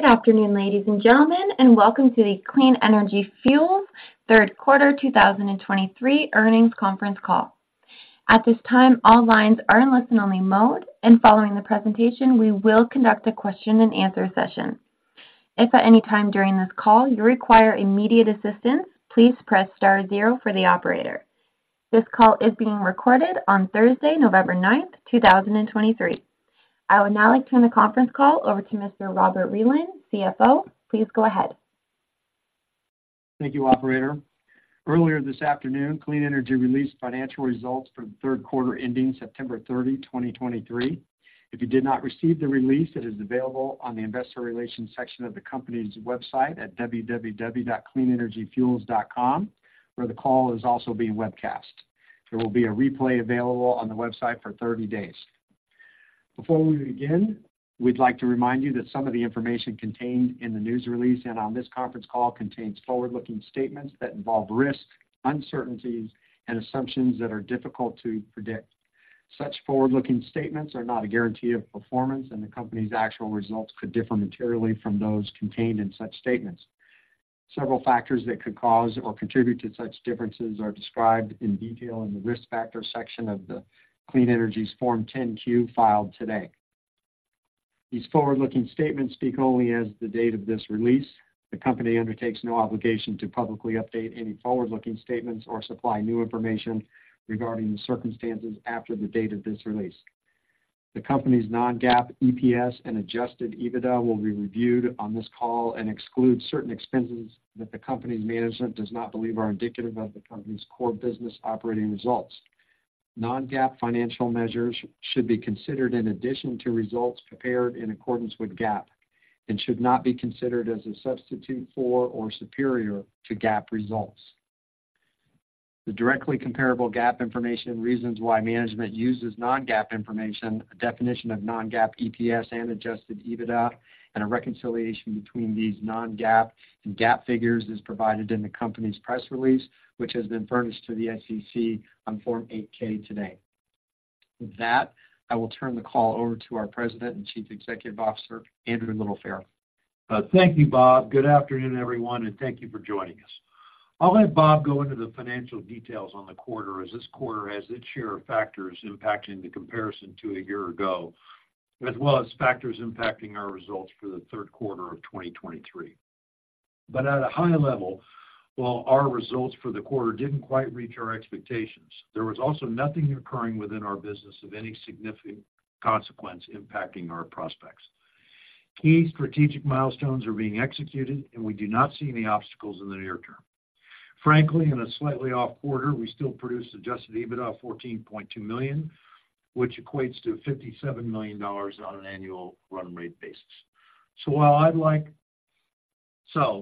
Good afternoon, ladies and gentlemen, and welcome to the Clean Energy Fuels Third Quarter 2023 Earnings Conference Call. At this time, all lines are in listen-only mode, and following the presentation, we will conduct a question-and-answer session. If at any time during this call you require immediate assistance, please press star zero for the operator. This call is being recorded on Thursday, November 9, 2023. I would now like to turn the conference call over to Mr. Robert Vreeland, CFO. Please go ahead. Thank you, operator. Earlier this afternoon, Clean Energy released financial results for the third quarter ending September 30, 2023. If you did not receive the release, it is available on the investor relations section of the company's website at www.cleanenergyfuels.com, where the call is also being webcast. There will be a replay available on the website for 30 days. Before we begin, we'd like to remind you that some of the information contained in the news release and on this conference call contains forward-looking statements that involve risks, uncertainties, and assumptions that are difficult to predict. Such forward-looking statements are not a guarantee of performance, and the company's actual results could differ materially from those contained in such statements. Several factors that could cause or contribute to such differences are described in detail in the Risk Factors section of the Clean Energy's Form 10-Q filed today. These forward-looking statements speak only as of the date of this release. The company undertakes no obligation to publicly update any forward-looking statements or supply new information regarding the circumstances after the date of this release. The company's non-GAAP EPS and adjusted EBITDA will be reviewed on this call and exclude certain expenses that the company's management does not believe are indicative of the company's core business operating results. Non-GAAP financial measures should be considered in addition to results prepared in accordance with GAAP and should not be considered as a substitute for or superior to GAAP results. The directly comparable GAAP information and reasons why management uses non-GAAP information, a definition of non-GAAP EPS and adjusted EBITDA, and a reconciliation between these non-GAAP and GAAP figures is provided in the company's press release, which has been furnished to the SEC on Form 8-K today. With that, I will turn the call over to our President and Chief Executive Officer, Andrew Littlefair. Thank you, Bob. Good afternoon, everyone, and thank you for joining us. I'll let Bob go into the financial details on the quarter, as this quarter has its share of factors impacting the comparison to a year ago, as well as factors impacting our results for the third quarter of 2023. But at a high level, while our results for the quarter didn't quite reach our expectations, there was also nothing occurring within our business of any significant consequence impacting our prospects. Key strategic milestones are being executed, and we do not see any obstacles in the near term. Frankly, in a slightly off quarter, we still produced Adjusted EBITDA of $14.2 million, which equates to $57 million on an annual run rate basis. So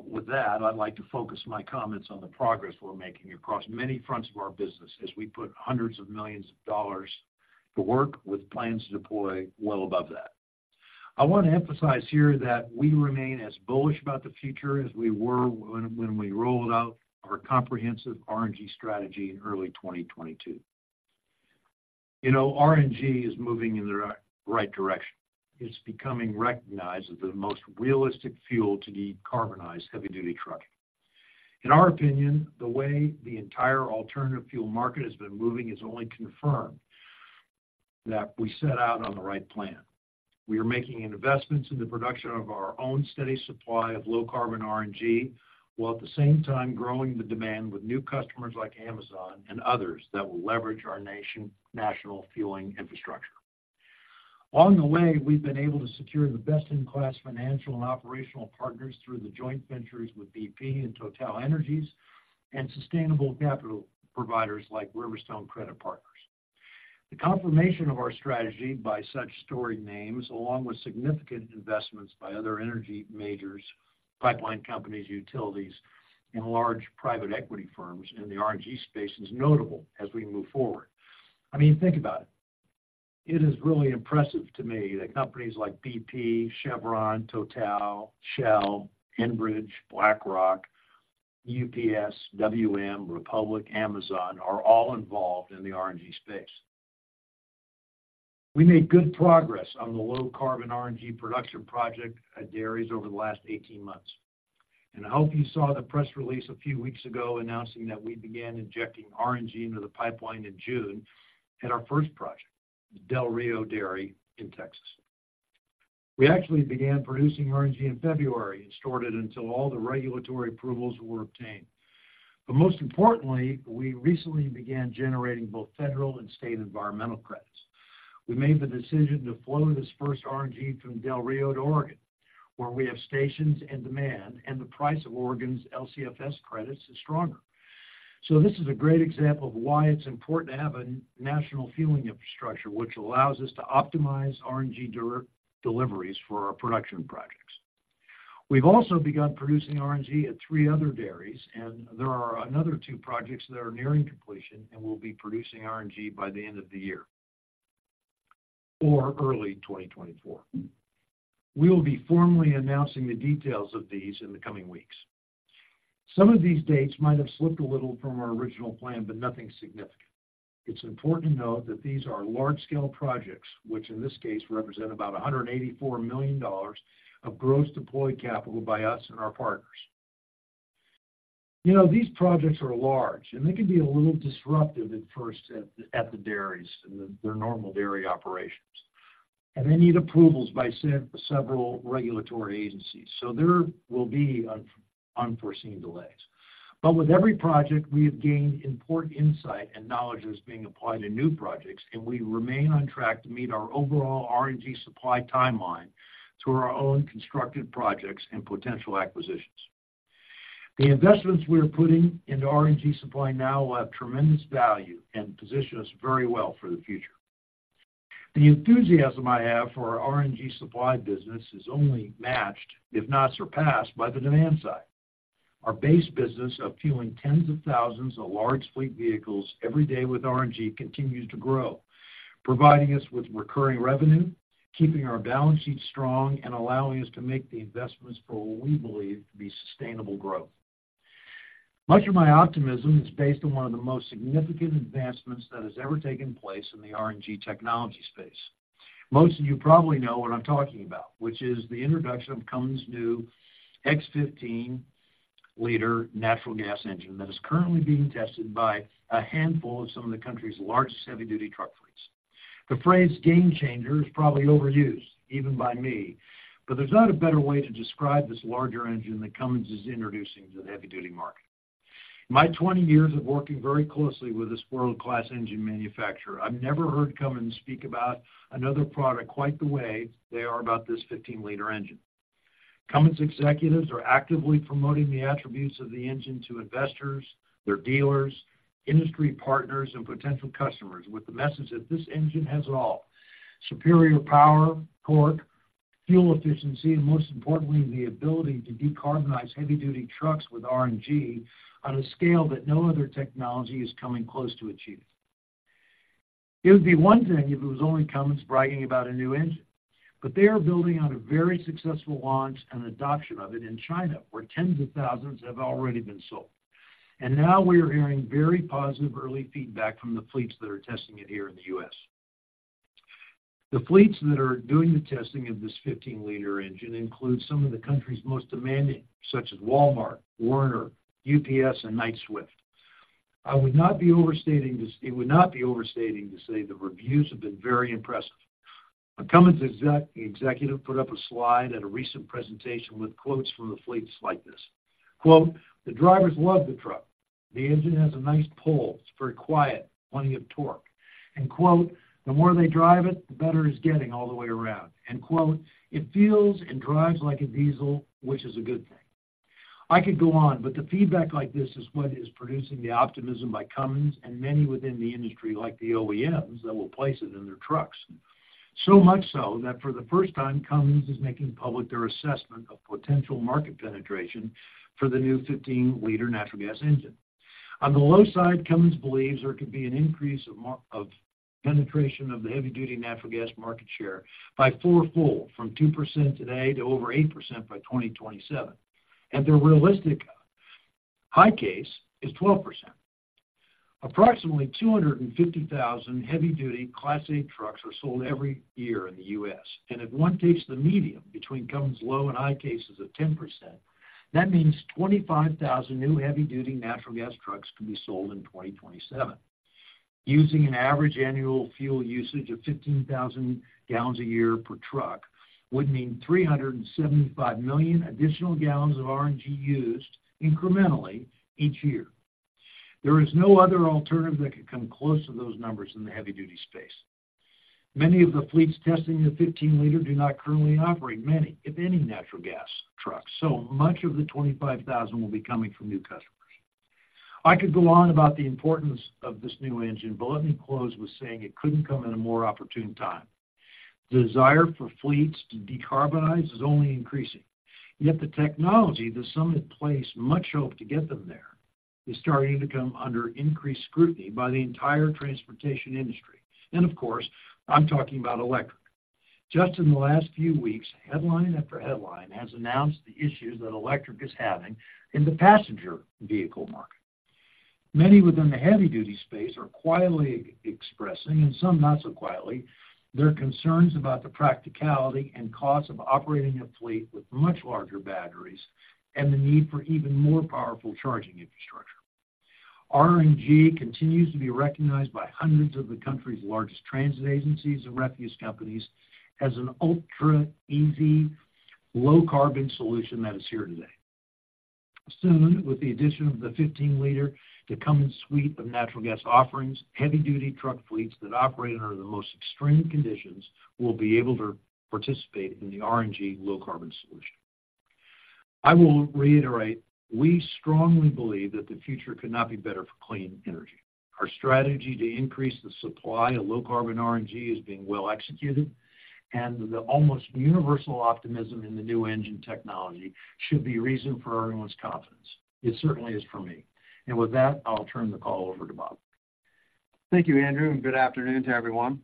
with that, I'd like to focus my comments on the progress we're making across many fronts of our business as we put hundreds of millions dollars to work with plans to deploy well above that. I want to emphasize here that we remain as bullish about the future as we were when we rolled out our comprehensive RNG strategy in early 2022. You know, RNG is moving in the right direction. It's becoming recognized as the most realistic fuel to decarbonize heavy-duty trucking. In our opinion, the way the entire alternative fuel market has been moving has only confirmed that we set out on the right plan. We are making investments in the production of our own steady supply of low-carbon RNG, while at the same time growing the demand with new customers like Amazon and others that will leverage our national fueling infrastructure. Along the way, we've been able to secure the best-in-class financial and operational partners through the joint ventures with BP and TotalEnergies, and sustainable capital providers like Riverstone Credit Partners. The confirmation of our strategy by such storied names, along with significant investments by other energy majors, pipeline companies, utilities, and large private equity firms in the RNG space, is notable as we move forward. I mean, think about it. It is really impressive to me that companies like BP, Chevron, Total, Shell, Enbridge, BlackRock, UPS, WM, Republic, Amazon, are all involved in the RNG space. We made good progress on the low-carbon RNG production project at dairies over the last 18 months, and I hope you saw the press release a few weeks ago announcing that we began injecting RNG into the pipeline in June at our first project, Del Rio Dairy in Texas. We actually began producing RNG in February and stored it until all the regulatory approvals were obtained. But most importantly, we recently began generating both federal and state environmental credits. We made the decision to flow this first RNG from Del Rio to Oregon, where we have stations and demand, and the price of Oregon's LCFS credits is stronger. So this is a great example of why it's important to have a national fueling infrastructure, which allows us to optimize RNG deliveries for our production projects. We've also begun producing RNG at three other dairies, and there are another two projects that are nearing completion and will be producing RNG by the end of the year or early 2024. We will be formally announcing the details of these in the coming weeks. Some of these dates might have slipped a little from our original plan, but nothing significant. It's important to note that these are large-scale projects, which in this case represent about $184 million of gross deployed capital by us and our partners. You know, these projects are large, and they can be a little disruptive at first at the dairies and their normal dairy operations. And they need approvals by several regulatory agencies, so there will be unforeseen delays. But with every project, we have gained important insight and knowledge that is being applied to new projects, and we remain on track to meet our overall RNG supply timeline through our own constructed projects and potential acquisitions. The investments we are putting into RNG supply now will have tremendous value and position us very well for the future. The enthusiasm I have for our RNG supply business is only matched, if not surpassed, by the demand side. Our base business of fueling tens of thousands of large fleet vehicles every day with RNG continues to grow, providing us with recurring revenue, keeping our balance sheet strong, and allowing us to make the investments for what we believe to be sustainable growth. Much of my optimism is based on one of the most significant advancements that has ever taken place in the RNG technology space. Most of you probably know what I'm talking about, which is the introduction of Cummins' new X15-liter natural gas engine that is currently being tested by a handful of some of the country's largest heavy-duty truck fleets. The phrase game changer is probably overused, even by me, but there's not a better way to describe this larger engine that Cummins is introducing to the heavy-duty market. In my 20 years of working very closely with this world-class engine manufacturer, I've never heard Cummins speak about another product quite the way they are about this 15-liter engine. Cummins executives are actively promoting the attributes of the engine to investors, their dealers, industry partners, and potential customers with the message that this engine has it all: superior power, torque, fuel efficiency, and most importantly, the ability to decarbonize heavy-duty trucks with RNG on a scale that no other technology is coming close to achieving. It would be one thing if it was only Cummins bragging about a new engine, but they are building on a very successful launch and adoption of it in China, where tens of thousands have already been sold. Now we are hearing very positive early feedback from the fleets that are testing it here in the U.S. The fleets that are doing the testing of this 15-liter engine include some of the country's most demanding, such as Walmart, Werner, UPS, and Knight-Swift. I would not be overstating this, it would not be overstating to say the reviews have been very impressive. A Cummins executive put up a slide at a recent presentation with quotes from the fleets like this, quote, "The drivers love the truck. The engine has a nice pull. It's very quiet, plenty of torque." And quote, "The more they drive it, the better it's getting all the way around." And quote, "It feels and drives like a diesel, which is a good thing." I could go on, but the feedback like this is what is producing the optimism by Cummins and many within the industry, like the OEMs, that will place it in their trucks. So much so, that for the first time, Cummins is making public their assessment of potential market penetration for the new 15-liter natural gas engine. On the low side, Cummins believes there could be an increase of penetration of the heavy-duty natural gas market share by fourfold, from 2% today to over 8% by 2027. Their realistic high case is 12%. Approximately 250,000 heavy-duty Class 8 trucks are sold every year in the U.S. If one takes the medium between Cummins' low and high cases of 10%, that means 25,000 new heavy-duty natural gas trucks could be sold in 2027. Using an average annual fuel usage of 15,000 gallons a year per truck would mean 375 million additional gallons of RNG used incrementally each year. There is no other alternative that could come close to those numbers in the heavy-duty space. Many of the fleets testing the 15-liter do not currently operate many, if any, natural gas trucks, so much of the 25,000 will be coming from new customers. I could go on about the importance of this new engine, but let me close with saying it couldn't come at a more opportune time. The desire for fleets to decarbonize is only increasing, yet the technology that some had placed much hope to get them there is starting to come under increased scrutiny by the entire transportation industry. And of course, I'm talking about electric. Just in the last few weeks, headline after headline has announced the issues that electric is having in the passenger vehicle market. Many within the heavy-duty space are quietly expressing, and some not so quietly, their concerns about the practicality and cost of operating a fleet with much larger batteries and the need for even more powerful charging infrastructure. RNG continues to be recognized by hundreds of the country's largest transit agencies and refuse companies as an ultra-easy, low-carbon solution that is here today. Soon, with the addition of the 15-liter, the Cummins suite of natural gas offerings, heavy-duty truck fleets that operate under the most extreme conditions, will be able to participate in the RNG low-carbon solution. I will reiterate, we strongly believe that the future could not be better for Clean Energy. Our strategy to increase the supply of low-carbon RNG is being well executed, and the almost universal optimism in the new engine technology should be reason for everyone's confidence. It certainly is for me. With that, I'll turn the call over to Bob. Thank you, Andrew, and good afternoon to everyone.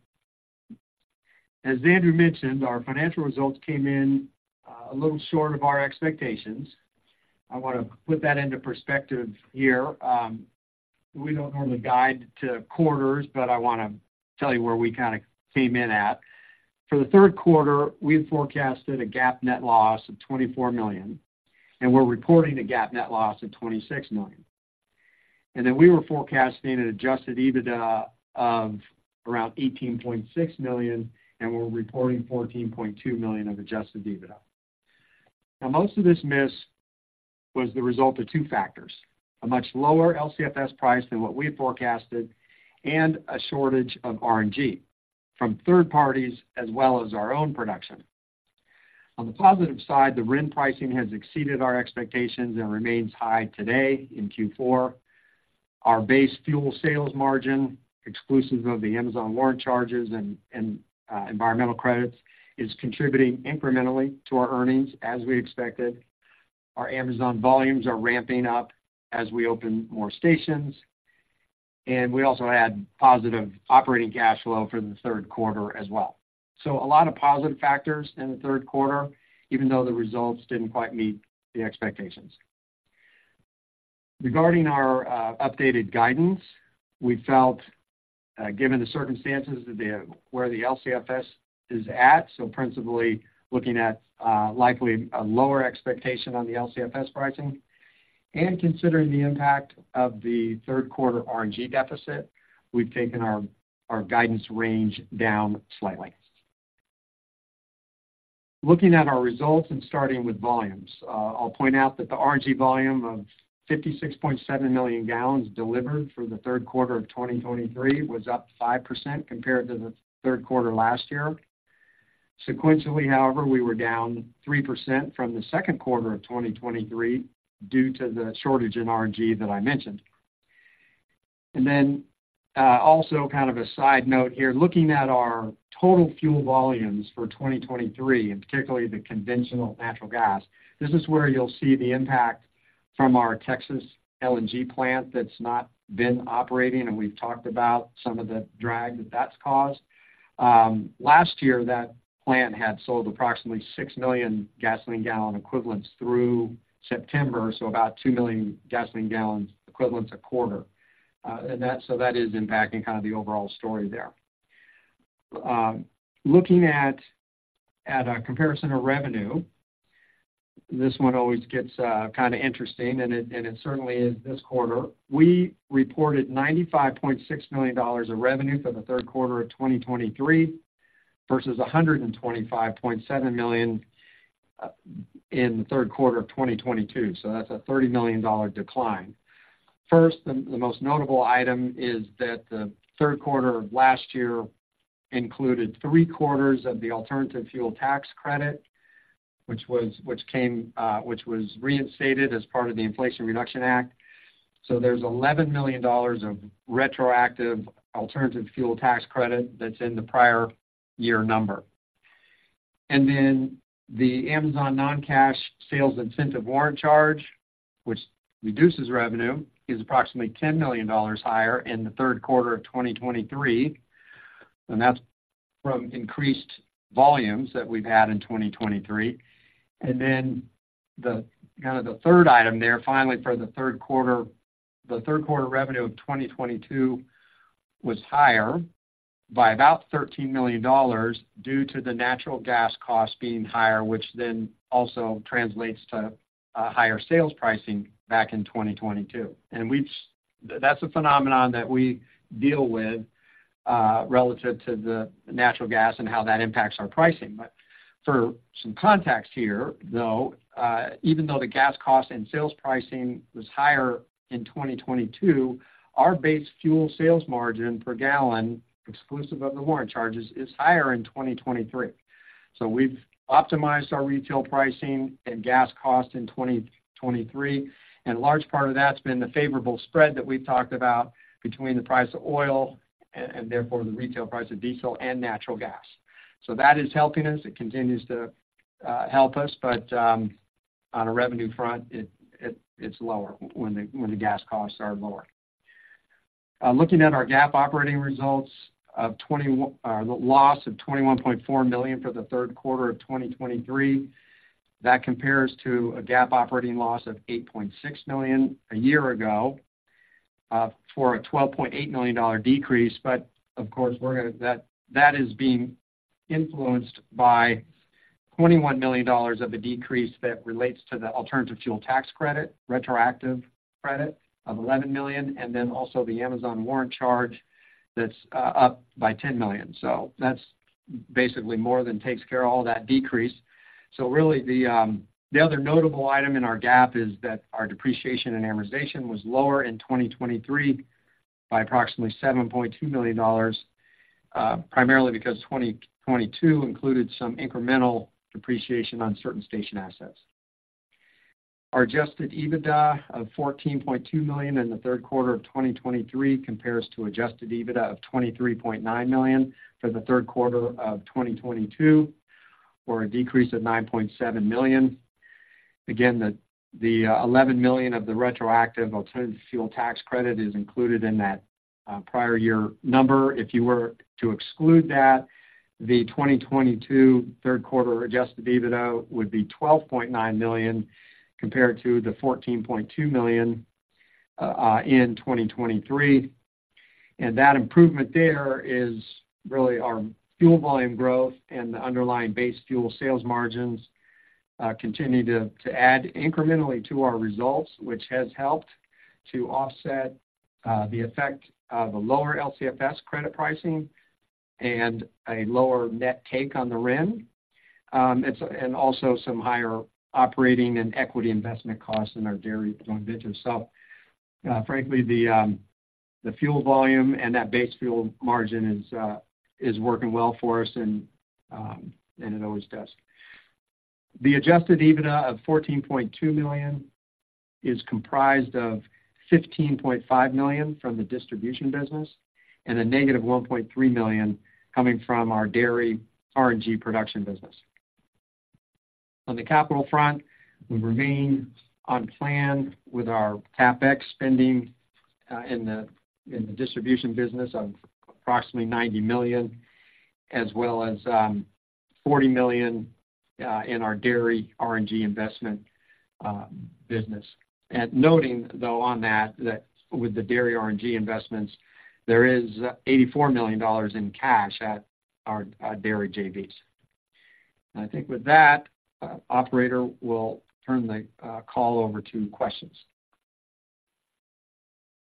As Andrew mentioned, our financial results came in a little short of our expectations. I want to put that into perspective here. We don't normally guide to quarters, but I want to tell you where we kind of came in at. For the third quarter, we had forecasted a GAAP net loss of $24 million, and we're reporting a GAAP net loss of $26 million. And then we were forecasting an adjusted EBITDA of around $18.6 million, and we're reporting $14.2 million of adjusted EBITDA. Now, most of this miss was the result of two factors: a much lower LCFS price than what we had forecasted and a shortage of RNG from third parties, as well as our own production. On the positive side, the RIN pricing has exceeded our expectations and remains high today in Q4. Our base fuel sales margin, exclusive of the Amazon warrant charges and environmental credits, is contributing incrementally to our earnings as we expected. Our Amazon volumes are ramping up as we open more stations, and we also had positive operating cash flow for the third quarter as well. So a lot of positive factors in the third quarter, even though the results didn't quite meet the expectations. Regarding our updated guidance, we felt, given the circumstances where the LCFS is at, so principally looking at likely a lower expectation on the LCFS pricing and considering the impact of the third quarter RNG deficit, we've taken our guidance range down slightly. Looking at our results and starting with volumes. I'll point out that the RNG volume of 56.7 million gallons delivered for the third quarter of 2023 was up 5% compared to the third quarter last year. Sequentially, however, we were down 3% from the second quarter of 2023 due to the shortage in RNG that I mentioned. And then, also kind of a side note here, looking at our total fuel volumes for 2023, and particularly the conventional natural gas, this is where you'll see the impact from our Texas LNG plant that's not been operating, and we've talked about some of the drag that that's caused. Last year, that plant had sold approximately 6 million gasoline gallon equivalents through September, so about 2 million gasoline gallon equivalent to quarter. And that, so that is impacting kind of the overall story there. Looking at our comparison of revenue, this one always gets kind of interesting, and it certainly is this quarter. We reported $95.6 million of revenue for the third quarter of 2023, versus $125.7 million in the third quarter of 2022. So that's a $30 million decline. First, the most notable item is that the third quarter of last year included three-quarters of the alternative fuel tax credit, which was reinstated as part of the Inflation Reduction Act. So there's $11 million of retroactive alternative fuel tax credit that's in the prior year number. And then the Amazon non-cash sales incentive warrant charge, which reduces revenue, is approximately $10 million higher in the third quarter of 2023, and that's from increased volumes that we've had in 2023. And then the, kind of the third item there, finally, for the third quarter revenue of 2022 was higher by about $13 million due to the natural gas costs being higher, which then also translates to a higher sales pricing back in 2022. And that's a phenomenon that we deal with, relative to the natural gas and how that impacts our pricing. But for some context here, though, even though the gas cost and sales pricing was higher in 2022, our base fuel sales margin per gallon, exclusive of the warrant charges, is higher in 2023. So we've optimized our retail pricing and gas cost in 2023, and a large part of that's been the favorable spread that we've talked about between the price of oil and therefore, the retail price of diesel and natural gas. So that is helping us. It continues to help us, but on a revenue front, it's lower when the gas costs are lower. Looking at our GAAP operating results, a loss of $21.4 million for the third quarter of 2023. That compares to a GAAP operating loss of $8.6 million a year ago, for a $12.8 million decrease. But of course, that is being influenced by $21 million of a decrease that relates to the alternative fuel tax credit, retroactive credit of $11 million, and then also the Amazon warrant charge that's up by $10 million. So that's basically more than takes care of all that decrease. So really, the other notable item in our GAAP is that our depreciation and amortization was lower in 2023 by approximately $7.2 million, primarily because 2022 included some incremental depreciation on certain station assets. Our adjusted EBITDA of $14.2 million in the third quarter of 2023 compares to adjusted EBITDA of $23.9 million for the third quarter of 2022, or a decrease of $9.7 million. Again, the $11 million of the retroactive alternative fuel tax credit is included in that prior year number. If you were to exclude that, the 2022 third quarter adjusted EBITDA would be $12.9 million compared to the $14.2 million in 2023. And that improvement there is really our fuel volume growth and the underlying base fuel sales margins continue to add incrementally to our results, which has helped to offset the effect of a lower LCFS credit pricing and a lower net take on the RIN and also some higher operating and equity investment costs in our dairy joint venture. So, frankly, the fuel volume and that base fuel margin is working well for us and it always does. The adjusted EBITDA of $14.2 million is comprised of $15.5 million from the distribution business and -$1.3 million coming from our dairy RNG production business. On the capital front, we remain on plan with our CapEx spending in the distribution business of approximately $90 million, as well as $40 million in our dairy RNG investment business. And noting, though, on that with the dairy RNG investments, there is $84 million in cash at our dairy JVs. I think with that, operator, we'll turn the call over to questions.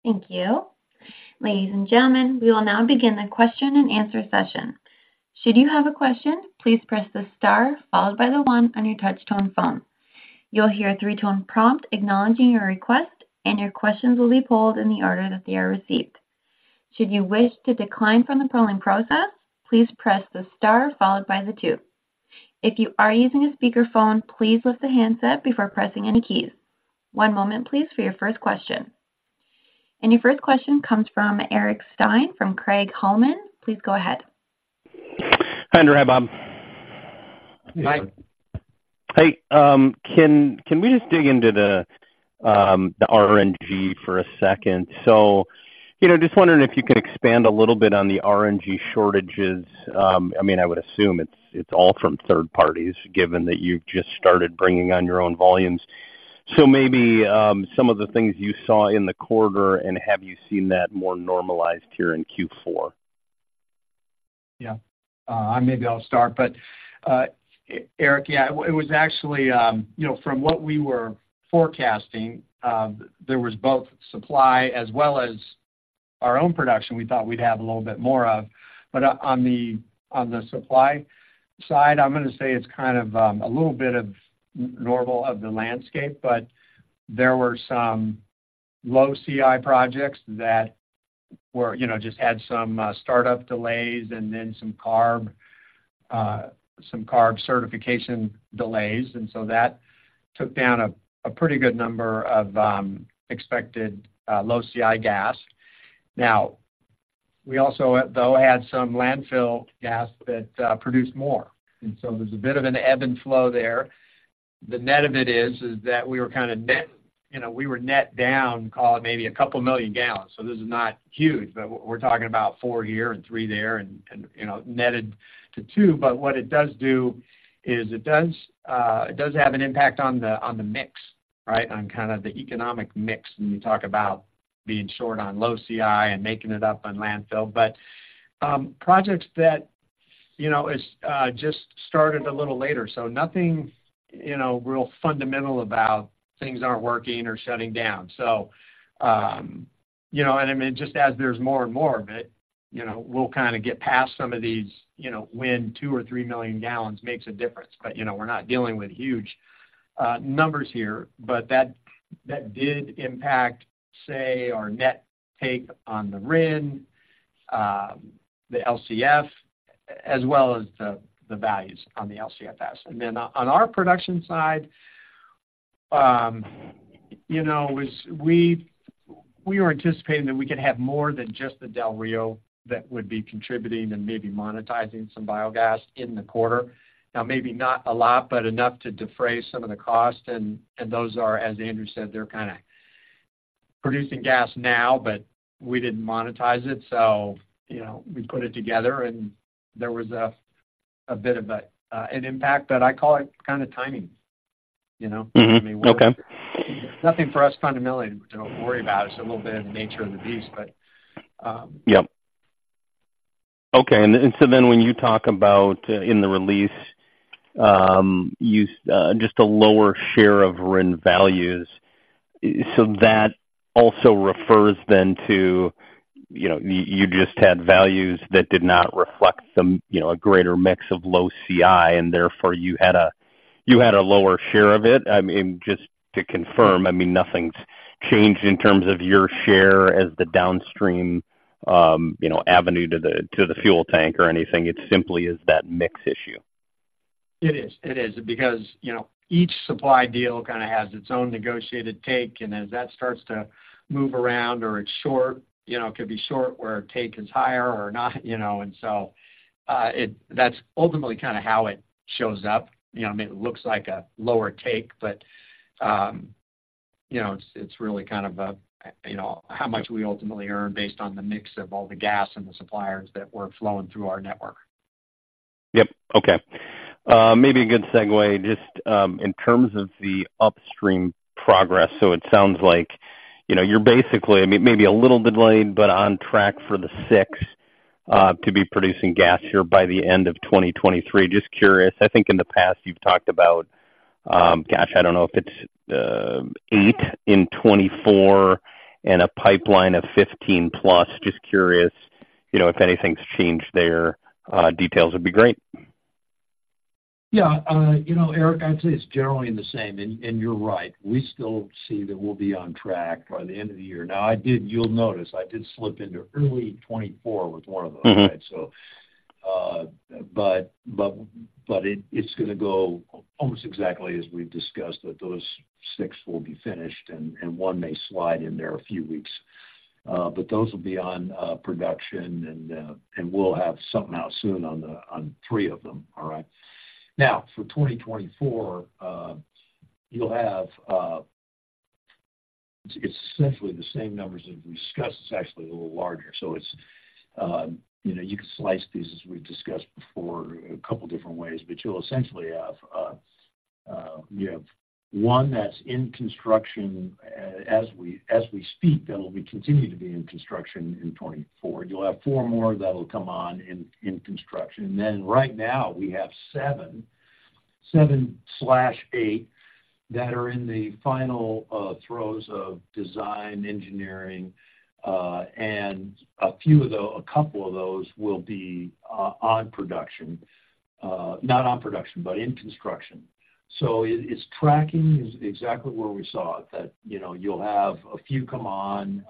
Thank you. Ladies and gentlemen, we will now begin the question-and-answer session. Should you have a question, please press the star followed by the one on your touchtone phone. You'll hear a three-tone prompt acknowledging your request, and your questions will be pulled in the order that they are received. Should you wish to decline from the polling process, please press the star followed by the two. If you are using a speakerphone, please lift the handset before pressing any keys. One moment, please, for your first question. And your first question comes from Eric Stine from Craig-Hallum. Please go ahead. Hi, Andrew. Hi, Bob. Hi. Hey, can we just dig into the RNG for a second? So, you know, just wondering if you could expand a little bit on the RNG shortages. I mean, I would assume it's all from third parties, given that you've just started bringing on your own volumes. So maybe some of the things you saw in the quarter, and have you seen that more normalized here in Q4? Yeah. Maybe I'll start, but, Eric, yeah, it was actually, you know, from what we were forecasting, there was both supply as well as our own production we thought we'd have a little bit more of. But on the supply side, I'm going to say it's kind of a little bit of normal of the landscape, but there were some low CI projects that were, you know, just had some startup delays and then some CARB certification delays. And so that took down a pretty good number of expected low CI gas. Now, we also though had some landfill gas that produced more, and so there's a bit of an ebb and flow there. The net of it is, is that we were kind of net, you know, we were net down, call it maybe a couple million gallons. So this is not huge, but we're talking about four here and three there and, you know, netted to two. But what it does do is it does have an impact on the, on the mix, right? On kind of the economic mix when you talk about being short on low CI and making it up on landfill. But, projects that, you know, is, just started a little later, so nothing, you know, real fundamental about things aren't working or shutting down. So, you know, and I mean, just as there's more and more of it, you know, we'll get past some of these, you know, when 2 million or 3 million gallons makes a difference, but, you know, we're not dealing with huge numbers here. But that, that did impact, say, our net take on the RIN, the LCFS, as well as the, the values on the LCFS. And then on our production side, you know, we were anticipating that we could have more than just the Del Rio that would be contributing and maybe monetizing some biogas in the quarter. Now, maybe not a lot, but enough to defray some of the cost, and those are, as Andrew said, they're kind of producing gas now, but we didn't monetize it, so, you know, we put it together, and there was a bit of a impact, but I call it kind of timing, you know? Okay. Nothing for us fundamentally to worry about. It's a little bit of the nature of the beast, but, you know. Okay, and so then when you talk about in the release, you just a lower share of RIN values, so that also refers then to, you know, you just had values that did not reflect some, you know, a greater mix of low CI, and therefore, you had a lower share of it? I mean, just to confirm, I mean, nothing's changed in terms of your share as the downstream, you know, avenue to the fuel tank or anything. It simply is that mix issue. It is. It is because, you know, each supply deal kind of has its own negotiated take, and as that starts to move around or it's short, you know, it could be short where our take is higher or not, you know, and so, that's ultimately kind of how it shows up. You know, I mean, it looks like a lower take, but, you know, it's, it's really kind of a, you know, how much we ultimately earn based on the mix of all the gas and the suppliers that we're flowing through our network. Yep. Okay. Maybe a good segue, just in terms of the upstream progress. So it sounds like, you know, you're basically, I mean, maybe a little bit delayed, but on track for the 6 to be producing gas here by the end of 2023. Just curious, I think in the past, you've talked about, gosh, I don't know if it's eight in 2024 and a pipeline of 15+. Just curious, you know, if anything's changed there, details would be great. Yeah. You know, Eric, I'd say it's generally the same. And you're right, we still see that we'll be on track by the end of the year. Now, I did, you'll notice I did slip into early 2024 with one of those, right? So, but it's going to go almost exactly as we've discussed, that those six will be finished and one may slide in there a few weeks. But those will be on production, and we'll have something out soon on the on three of them. All right? Now, for 2024, you'll have, it's essentially, the same numbers as we've discussed. It's actually a little larger. So it's, you know, you could slice these, as we've discussed before, a couple different ways, but you'll essentially have, you have one that's in construction, as we speak, that'll be continued to be in construction in 2024. You'll have four more that'll come on in construction. And then right now, we have 7/8 that are in the final throes of design and engineering, and a few of those, a couple of those will be on production. Not on production, but in construction. So it's tracking exactly where we saw it, that, you know, you'll have a few come on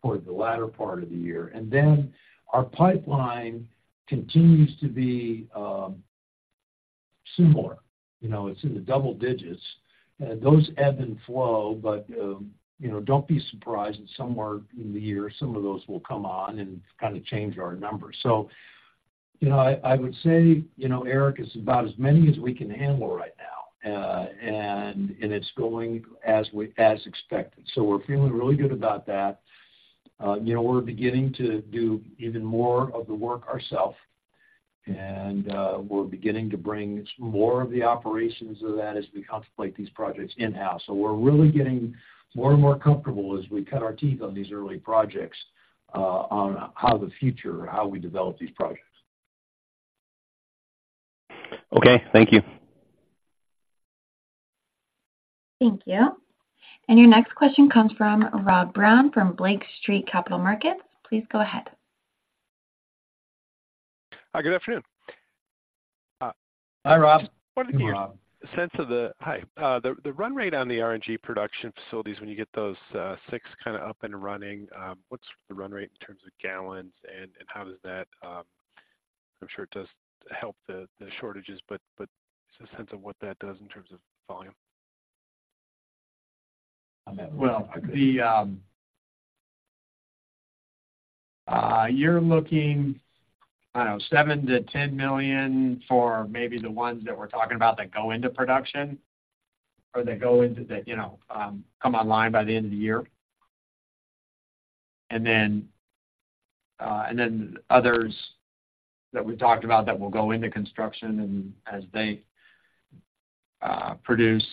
toward the latter part of the year. And then our pipeline continues to be similar. You know, it's in the double digits, and those ebb and flow, but you know, don't be surprised if somewhere in the year, some of those will come on and kind of change our numbers. So you know, I would say, you know, Eric, it's about as many as we can handle right now. And it's going as expected. So we're feeling really good about that. You know, we're beginning to do even more of the work ourselves, and we're beginning to bring more of the operations of that as we contemplate these projects in-house. So we're really getting more and more comfortable as we cut our teeth on these early projects on how the future or how we develop these projects. Okay, thank you. Thank you. And your next question comes from Rob Brown from Lake Street Capital Markets. Please go ahead. Hi, good afternoon. Hi, Rob. Hi, Rob. Hi. The run rate on the RNG production facilities, when you get those six kind of up and running, what's the run rate in terms of gallons, and how does that, I'm sure it does help the shortages, but just a sense of what that does in terms of volume? Well, you're looking, I don't know, 7 million to 10 million for maybe the ones that we're talking about that go into production or that go into that, you know, come online by the end of the year. And then others that we've talked about that will go into construction and as they, produce,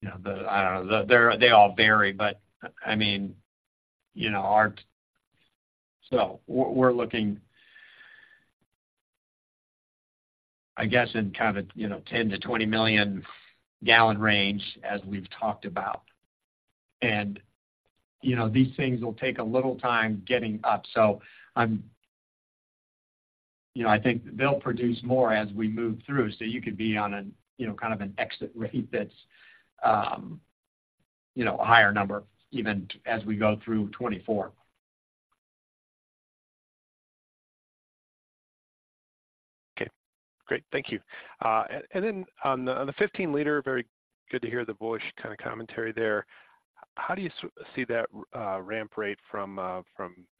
you know, I don't know, they all vary, but I mean, you know, our, so we're looking in kind of, you know, 10 million to 20 million gallon range, as we've talked about. And, you know, these things will take a little time getting up, so, you know, I think they'll produce more as we move through, so you could be on a, you know, kind of an exit rate that's, you know, a higher number even as we go through 2024. Okay, great. Thank you. And then on the 15-liter, very good to hear the bullish kind of commentary there. How do you see that ramp rate from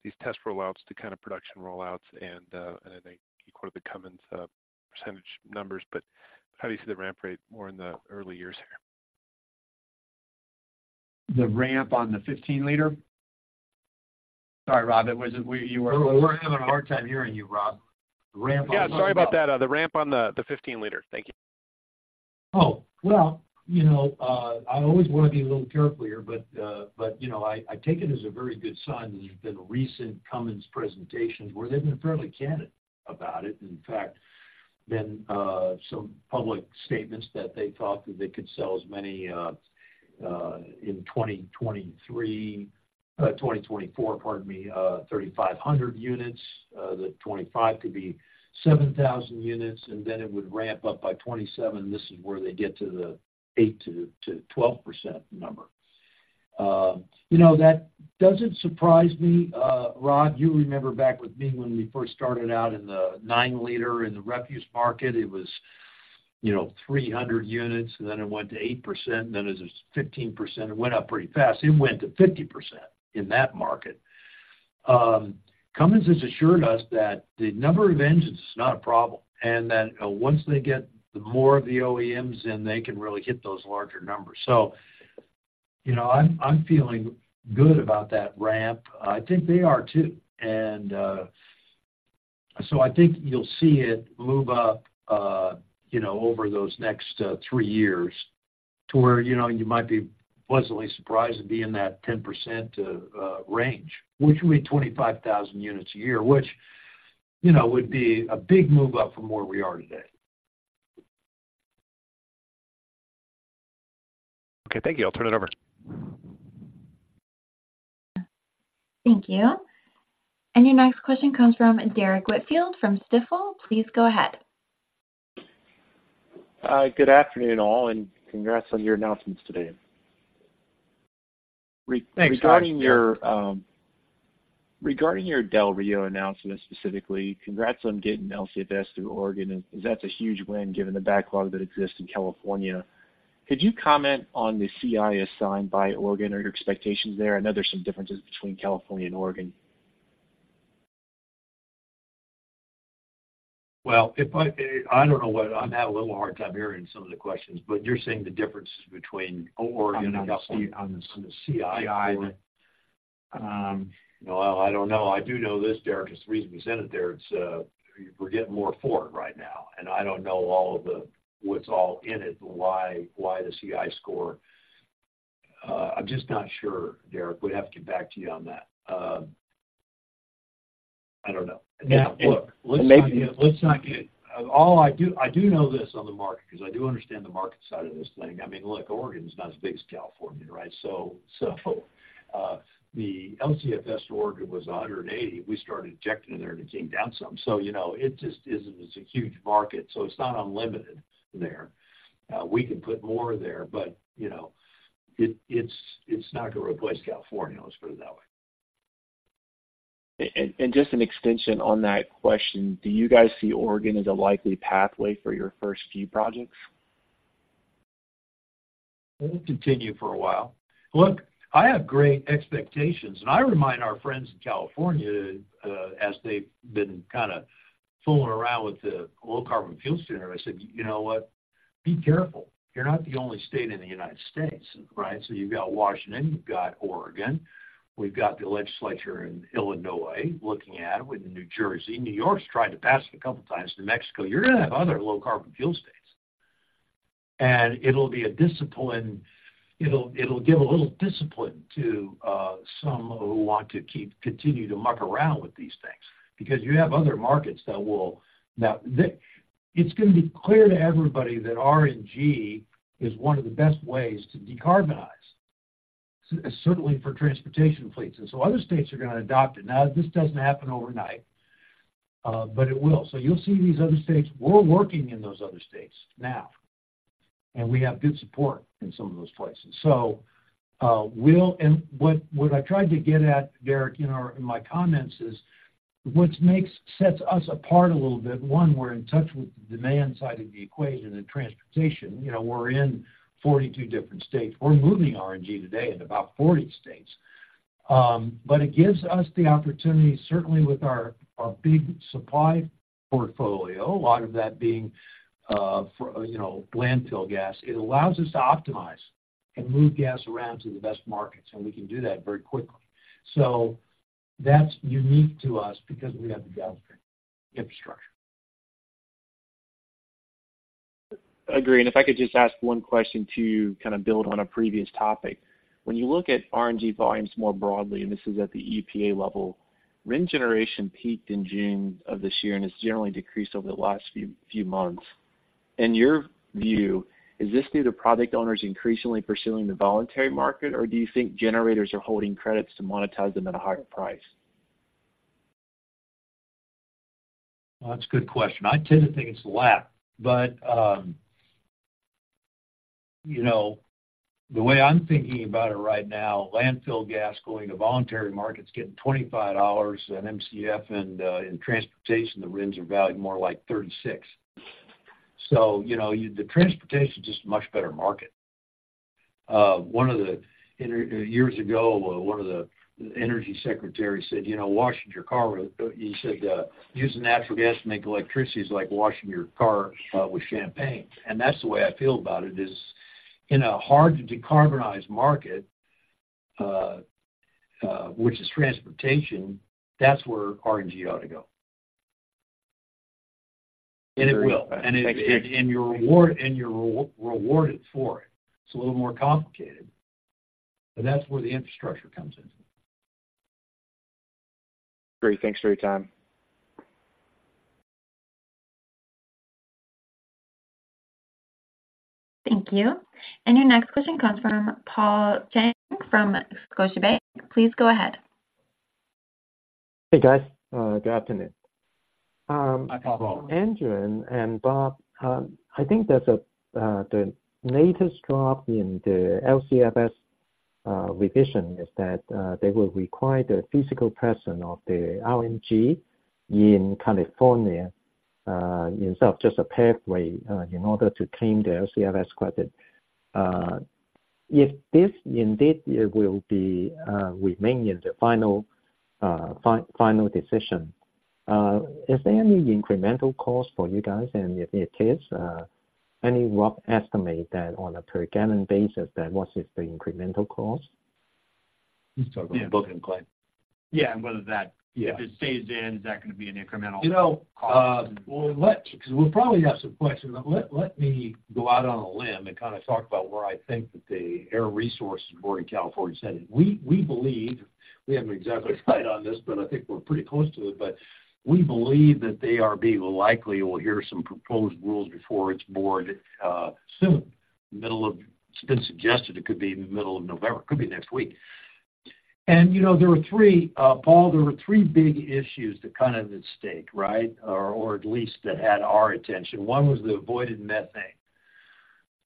these test rollouts to kind of production rollouts? And I think you quoted the Cummins percentage numbers, but how do you see the ramp rate more in the early years here? The ramp on the 15-liter? Sorry, Rob, we're having a hard time hearing you, Rob. Yeah, sorry about that, the ramp on the 15-liter. Thank you. Oh, well, you know, I always want to be a little careful here, but, you know, I take it as a very good sign that there's been recent Cummins presentations where they've been fairly candid about it. In fact, some public statements that they thought that they could sell as many in 2023, 2024, pardon me, 3,500 units. That 2025 could be 7,000 units, and then it would ramp up by 2027. This is where they get to the 8% to 12% number. You know, that doesn't surprise me. Rob, you remember back with me when we first started out in the 9-liter in the refuse market, it was, you know, 300 units, and then it went to 8%, then it was 15%. It went up pretty fast. It went to 50% in that market. Cummins has assured us that the number of engines is not a problem, and that once they get more of the OEMs in, they can really hit those larger numbers. So, you know, I'm feeling good about that ramp. I think they are, too. And, so I think you'll see it move up, you know, over those next, three years to where, you know, you might be pleasantly surprised to be in that 10%, range, which would be 25,000 units a year, which, you know, would be a big move up from where we are today. Okay, thank you. I'll turn it over. Thank you. Your next question comes from Derrick Whitfield from Stifel. Please go ahead. Hi. Good afternoon, all, and congrats on your announcements today. Thanks, Derrick. Regarding your Del Rio announcement specifically, congrats on getting LCFS through Oregon, as that's a huge win given the backlog that exists in California. Could you comment on the CI assigned by Oregon or your expectations there? I know there's some differences between California and Oregon. Well, I'm having a little hard time hearing some of the questions, but you're saying the differences between Oregon and California. On the CI. Well, I don't know. I do know this, Derrick, is the reason we sent it there. It's we're getting more for it right now, and I don't know all of what's all in it, why, why the CI score. I'm just not sure, Derek. We'd have to get back to you on that. I don't know. Now, look. Maybe. Let's not get all I do, I do know this on the market, because I do understand the market side of this thing. I mean, look, Oregon is not as big as California, right? So, the LCFS to Oregon was 180. We started injecting it there, and it came down some. So, you know, it just isn't as a huge market, so it's not unlimited there. We can put more there, but, you know, it's not going to replace California, let's put it that way. Just an extension on that question, do you guys see Oregon as a likely pathway for your first few projects? It will continue for a while. Look, I have great expectations, and I remind our friends in California, as they've been kind of fooling around with the Low Carbon Fuel Standard, I said, "You know what? Be careful. You're not the only state in the United States," right? So you've got Washington, you've got Oregon, we've got the legislature in Illinois looking at it, with the New Jersey. New York's tried to pass it a couple times, New Mexico. You're going to have other Low Carbon Fuel states. And it'll be a discipline. It'll give a little discipline to some who want to continue to muck around with these things, because you have other markets that will. Now, it's going to be clear to everybody that RNG is one of the best ways to decarbonize, certainly for transportation fleets, and so other states are going to adopt it. Now, this doesn't happen overnight, but it will. So you'll see these other states. We're working in those other states now, and we have good support in some of those places. So, and what I tried to get at, Derek, in my comments is, what sets us apart a little bit, one, we're in touch with the demand side of the equation in transportation. You know, we're in 42 different states. We're moving RNG today in about 40 states. But it gives us the opportunity, certainly with our big supply portfolio, a lot of that being, you know, landfill gas. It allows us to optimize and move gas around to the best markets, and we can do that very quickly. So that's unique to us because we have the downstream infrastructure. Agreed. And if I could just ask one question to kind of build on a previous topic. When you look at RNG volumes more broadly, and this is at the EPA level, RIN generation peaked in June of this year and has generally decreased over the last few months. In your view, is this due to project owners increasingly pursuing the voluntary market, or do you think generators are holding credits to monetize them at a higher price? That's a good question. I tend to think it's the latter. But, you know, the way I'm thinking about it right now, landfill gas going to voluntary markets, getting $25 an LCFS, and, in transportation, the RINs are valued more like $36. So, you know, the transportation is just a much better market. Years ago, one of the energy secretaries said, you know, washing your car, he said, "Using natural gas to make electricity is like washing your car, with champagne." And that's the way I feel about it, is in a hard decarbonized market, which is transportation, that's where RNG ought to go. Agreed. It will. Thanks. You're rewarded for it. It's a little more complicated, but that's where the infrastructure comes in. Great. Thanks for your time. Thank you. Your next question comes from Paul Cheng from Scotiabank. Please go ahead. Hey, guys, good afternoon. Hi, Paul. Andrew and Bob, I think there's the latest drop in the LCFS revision is that they will require the physical presence of the RNG in California instead of just a pathway in order to claim the LCFS credit. If this indeed will be remain in the final final decision, is there any incremental cost for you guys? And if it is, any rough estimate that on a per gallon basis, that what is the incremental cost? Yeah, Book and Claim. Yeah, and whether that. Yeah. If it stays in, is that going to be an incremental? You know, well, because we'll probably have some questions, but let me go out on a limb and kind of talk about where I think that the Air Resources Board in California is headed. We believe, we haven't exactly right on this, but I think we're pretty close to it. But we believe that the ARB likely will hear some proposed rules before its board soon. It's been suggested it could be in the middle of November, could be next week. And, you know, there were three big issues, Paul, that kind of at stake, right, or at least that had our attention? One was the avoided methane.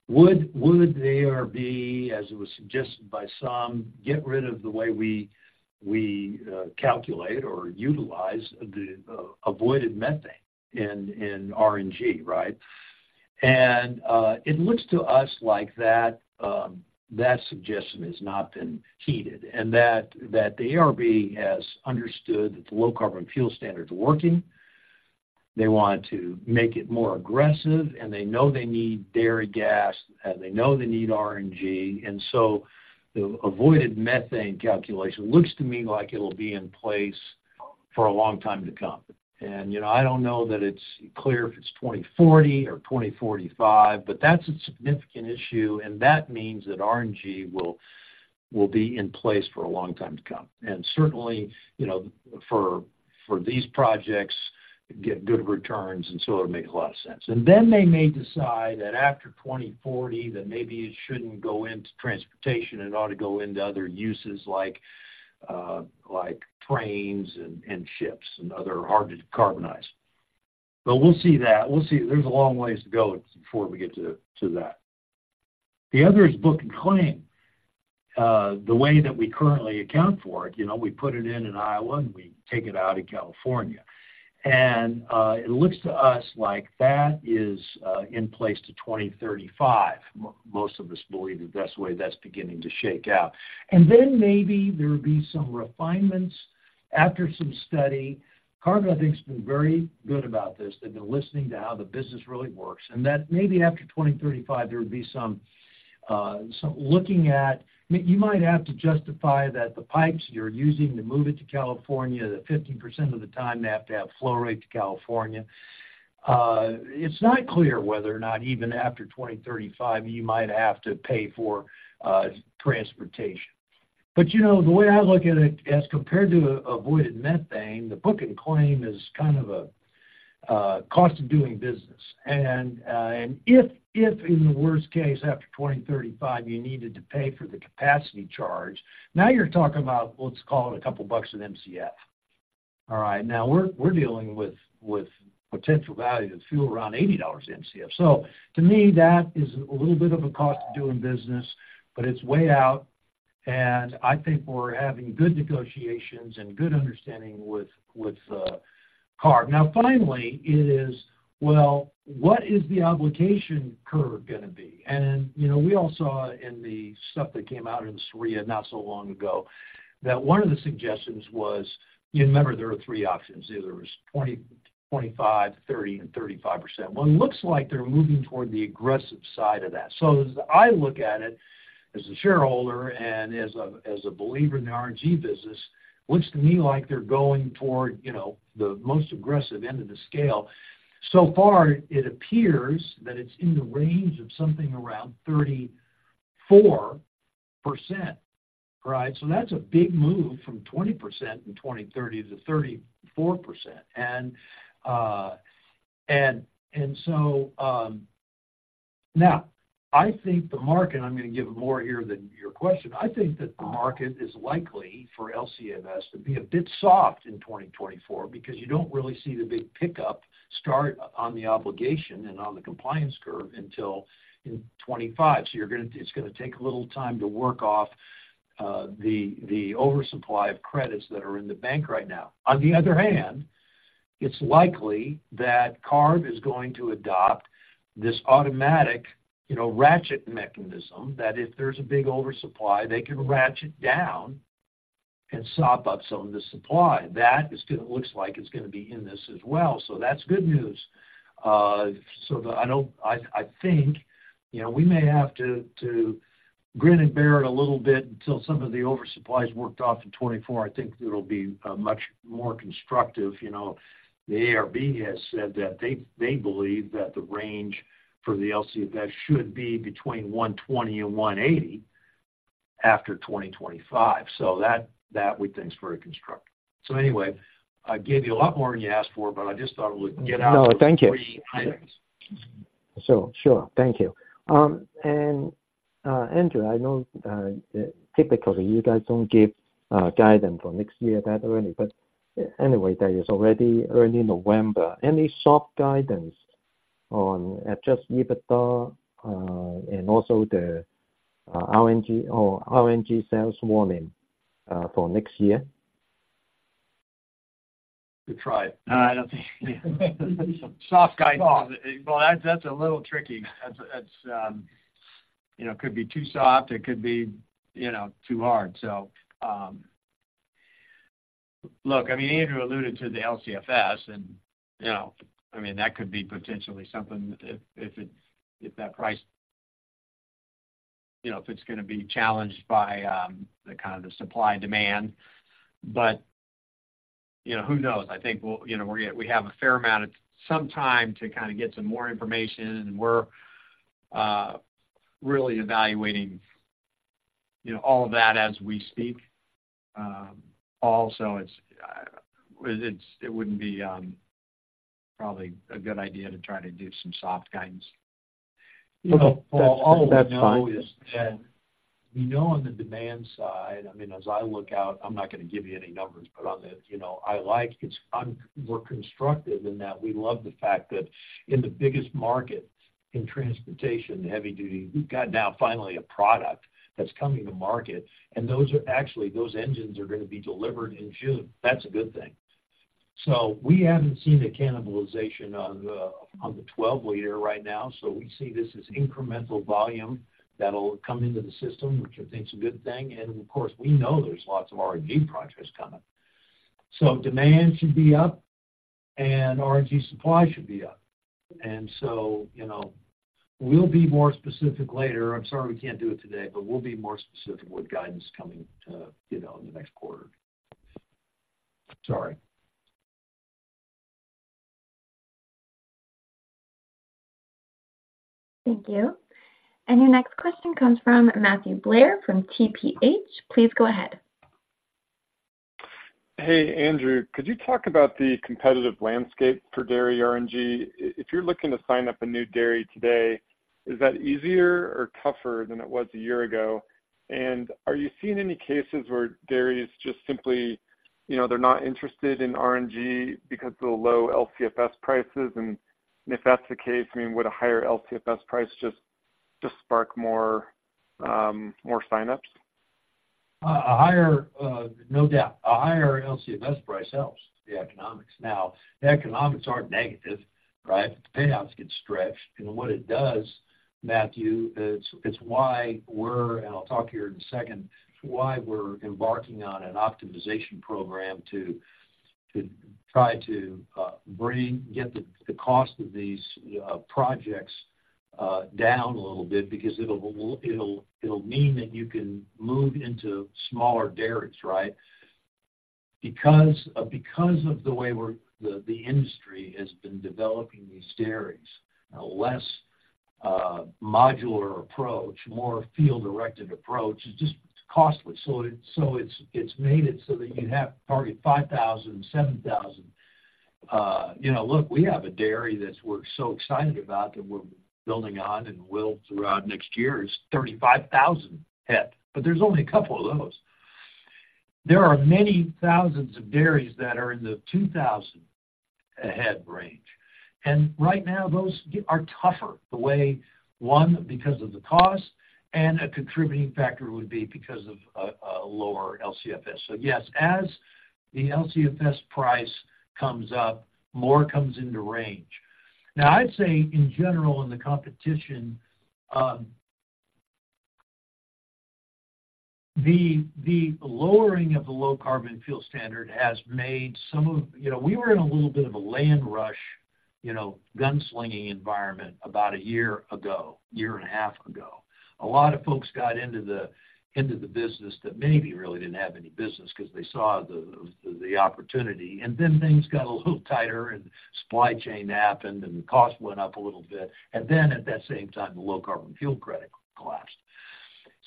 Would the ARB, as it was suggested by some, get rid of the way we calculate or utilize the avoided methane in RNG, right? It looks to us like that suggestion has not been heeded, and that the ARB has understood that the Low Carbon Fuel Standard is working. They want to make it more aggressive, and they know they need dairy gas, and they know they need RNG. And so the avoided methane calculation looks to me like it'll be in place for a long time to come. And, you know, I don't know that it's clear if it's 2040 or 2045, but that's a significant issue, and that means that RNG will be in place for a long time to come. And certainly, you know, for these projects get good returns, and so it'll make a lot of sense. And then they may decide that after 2040, that maybe it shouldn't go into transportation, and it ought to go into other uses like trains and ships and other hard to decarbonize. But we'll see that. We'll see. There's a long ways to go before we get to that. The other is Book and Claim. The way that we currently account for it, you know, we put it in Iowa, and we take it out in California. And it looks to us like that is in place to 2035. Most of us believe that that's the way that's beginning to shake out. And then maybe there would be some refinements after some study. CARB, I think, has been very good about this. They've been listening to how the business really works, and that maybe after 2035, there would be some, looking at, you might have to justify that the pipes you're using to move it to California, that 15% of the time, they have to have flow rate to California. It's not clear whether or not even after 2035, you might have to pay for transportation. But you know, the way I look at it, as compared to Avoided Methane, the Book and Claim is kind of a cost of doing business. And if, in the worst case, after 2035, you needed to pay for the capacity charge, now you're talking about, let's call it a couple of bucks an Mcf. All right? Now, we're dealing with potential value of fuel around $80 Mcf. So to me, that is a little bit of a cost of doing business, but it's way out, and I think we're having good negotiations and good understanding with, CARB. Now finally, it is, well, what is the obligation curve going to be? And, you know, we all saw in the stuff that came out in SRIA not so long ago, that one of the suggestions was, you remember, there were three options. There was 20%, 25%, 30%, and 35%. Well, it looks like they're moving toward the aggressive side of that. So as I look at it, as a shareholder and as a, as a believer in the RNG business, looks to me like they're going toward, you know, the most aggressive end of the scale. So far, it appears that it's in the range of something around 34%, right? So that's a big move from 20% in 2030 to 34%. And so, now, I think the market, I'm going to give more here than your question. I think that the market is likely, for LCFS, to be a bit soft in 2024, because you don't really see the big pickup start on the obligation and on the compliance curve until in 2025. So you're going to, it's going to take a little time to work off, the oversupply of credits that are in the bank right now. On the other hand, it's likely that CARB is going to adopt this automatic, you know, ratchet mechanism that if there's a big oversupply, they can ratchet down and sop up some of the supply. That is going to, looks like it's going to be in this as well, so that's good news. So I think, you know, we may have to grin and bear it a little bit until some of the oversupply is worked off in 2024. I think it'll be much more constructive. You know, the CARB has said that they believe that the range for the LCFS should be between $120 and $180 after 2025. So that we think is very constructive. So anyway, I gave you a lot more than you asked for, but I just thought it would get out three items. No, thank you. So sure. Thank you. And, Andrew, I know, typically, you guys don't give guidance for next year that early, but anyway, that is already early November. Any soft guidance on adjusted EBITDA, and also the RNG or RNG sales warning, for next year? Good try. I don't think soft guidance. Well, that's a little tricky. That's you know, could be too soft, it could be, you know, too hard. So, look, I mean, Andrew alluded to the LCFS and, you know, I mean, that could be potentially something if that price, you know, if it's going to be challenged by the kind of the supply and demand. But, you know, who knows? I think we'll, you know, we have a fair amount of some time to kind of get some more information, and we're really evaluating, you know, all of that as we speak. Also, it wouldn't be probably a good idea to try to do some soft guidance. You know, Paul. That's fine. All we know is that we know on the demand side, I mean, as I look out, I'm not going to give you any numbers, but on the, you know, I like we're constructive in that we love the fact that in the biggest market, in transportation, the heavy-duty, we've got now finally a product that's coming to market, and actually, those engines are going to be delivered in June. That's a good thing. So we haven't seen the cannibalization on the, on the 12-liter right now, so we see this as incremental volume that'll come into the system, which I think is a good thing. And of course, we know there's lots of RNG projects coming. So demand should be up, and RNG supply should be up. And so, you know, we'll be more specific later. I'm sorry, we can't do it today, but we'll be more specific with guidance coming, you know, in the next quarter. Sorry. Thank you. And your next question comes from Matthew Blair from TPH. Please go ahead. Hey, Andrew. Could you talk about the competitive landscape for dairy RNG? If you're looking to sign up a new dairy today, is that easier or tougher than it was a year ago? And are you seeing any cases where dairy is just simply, you know, they're not interested in RNG because of the low LCFS prices? And if that's the case, I mean, would a higher LCFS price just, just spark more, more sign-ups? A higher, no doubt. A higher LCFS price helps the economics. Now, the economics aren't negative, right? The payouts get stretched, and what it does, Matthew, is it's why we're, and I'll talk here in a second, it's why we're embarking on an optimization program to try to get the cost of these projects down a little bit because it'll mean that you can move into smaller dairies, right? Because of the way the industry has been developing these dairies, a less modular approach, more field-directed approach, it's just costly. So it's made it so that you have probably 5,000 to 7,000. You know, look, we have a dairy that we're so excited about, that we're building on and will throughout next year, is 35,000 a head, but there's only a couple of those. There are many thousands of dairies that are in the 2,000 a head range. And right now, those are tougher the way, one, because of the cost, and a contributing factor would be because of a lower LCFS. So yes, as the LCFS price comes up, more comes into range. Now, I'd say in general, in the competition, the lowering of the low carbon fuel standard has made some of, you know, we were in a little bit of a land rush, you know, gun slinging environment about a year ago, a year and a half ago. A lot of folks got into the business that maybe really didn't have any business because they saw the opportunity, and then things got a little tighter and supply chain happened, and the cost went up a little bit. And then at that same time, the low carbon fuel credit collapsed.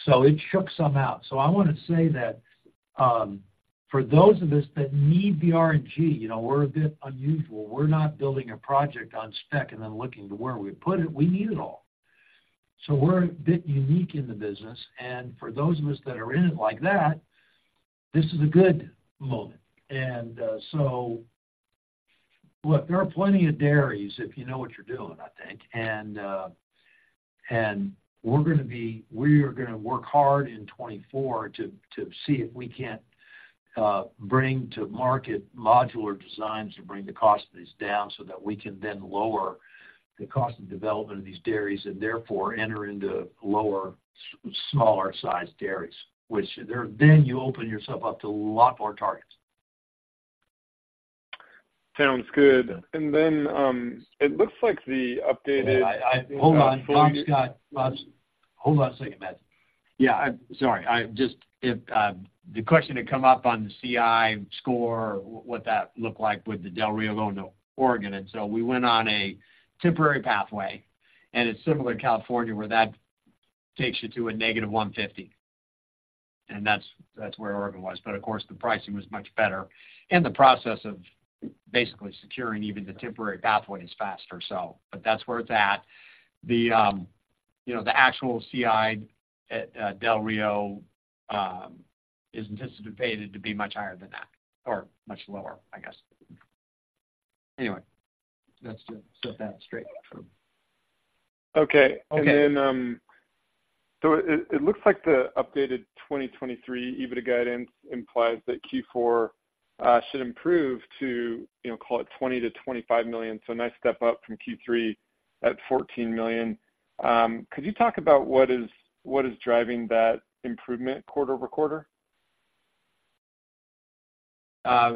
So it shook some out. So I want to say that, for those of us that need the RNG, you know, we're a bit unusual. We're not building a project on spec and then looking to where we put it. We need it all. So we're a bit unique in the business, and for those of us that are in it like that, this is a good moment. And so look, there are plenty of dairies if you know what you're doing, I think. And, we are going to work hard in 2024 to see if we can't bring to market modular designs to bring the cost of these down, so that we can then lower the cost of development of these dairies, and therefore, enter into lower, smaller-sized dairies, which then you open yourself up to a lot more targets. Sounds good. Yeah. It looks like the updated. Hold on. Tom Scott. Hold on a second, Matt. Yeah, I'm sorry. I just, if the question had come up on the CI score, what that looked like with the Del Rio going to Oregon. And so we went on a temporary pathway, and it's similar to California, where that takes you to a negative 150, and that's where Oregon was. But of course, the pricing was much better, and the process of basically securing even the temporary pathway is faster. So, but that's where it's at. The, you know, the actual CI at Del Rio is anticipated to be much higher than that, or much lower, I guess. Anyway, let's just set that straight. Okay. And then, so it looks like the updated 2023 EBITDA guidance implies that Q4 should improve to, you know, call it $20 million to $25 million. So a nice step up from Q3 at $14 million. Could you talk about what is driving that improvement quarter-over-quarter?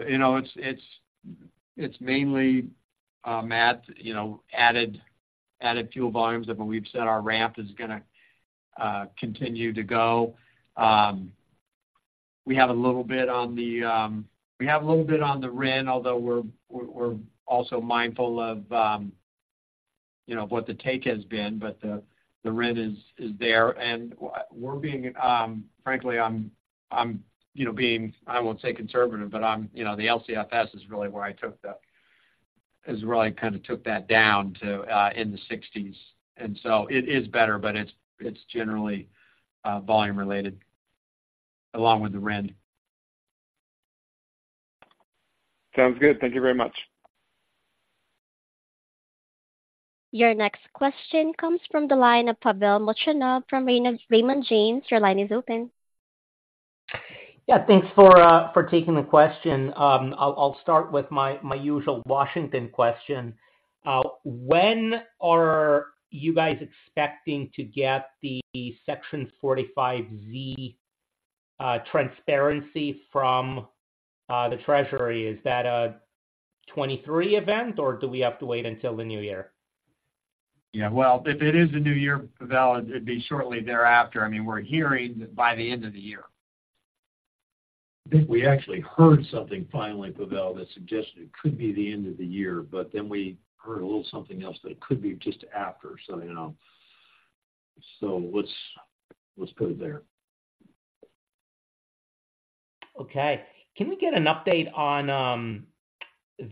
You know, it's mainly, Matt, you know, added fuel volumes of what we've said our ramp is going to continue to go. We have a little bit on the RIN, although we're also mindful of, you know, what the take has been, but the RIN is there. And we're being, frankly, I'm, you know, being, I won't say conservative, but I'm, you know, the LCFS is really kind of took that down to in the 60s. And so it is better, but it's generally volume-related, along with the RIN. Sounds good. Thank you very much. Your next question comes from the line of Pavel Molchanov from Raymond James. Your line is open. Yeah. Thanks for taking the question. I'll start with my usual Washington question. When are you guys expecting to get the Section 45Z transparency from the Treasury? Is that a 2023 event, or do we have to wait until the new year? Yeah. Well, if it is the new year, Pavel, it'd be shortly thereafter. I mean, we're hearing by the end of the year. I think we actually heard something finally, Pavel, that suggested it could be the end of the year, but then we heard a little something else that it could be just after. So, you know, so let's put it there. Okay. Can we get an update on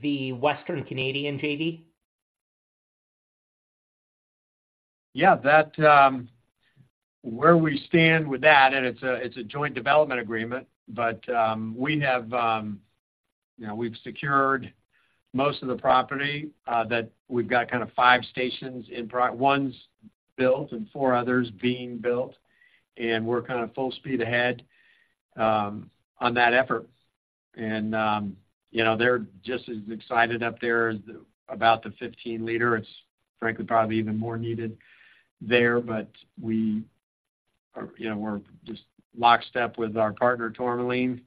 the Western Canadian JV? Yeah, where we stand with that, and it's a joint development agreement, but we have, you know, we've secured most of the property that we've got kind of five stations in progress. One's built and four others being built, and we're kind of full speed ahead on that effort. And you know, they're just as excited up there about the 15-liter. It's frankly probably even more needed there, but, you know, we're just lockstep with our partner, Tourmaline,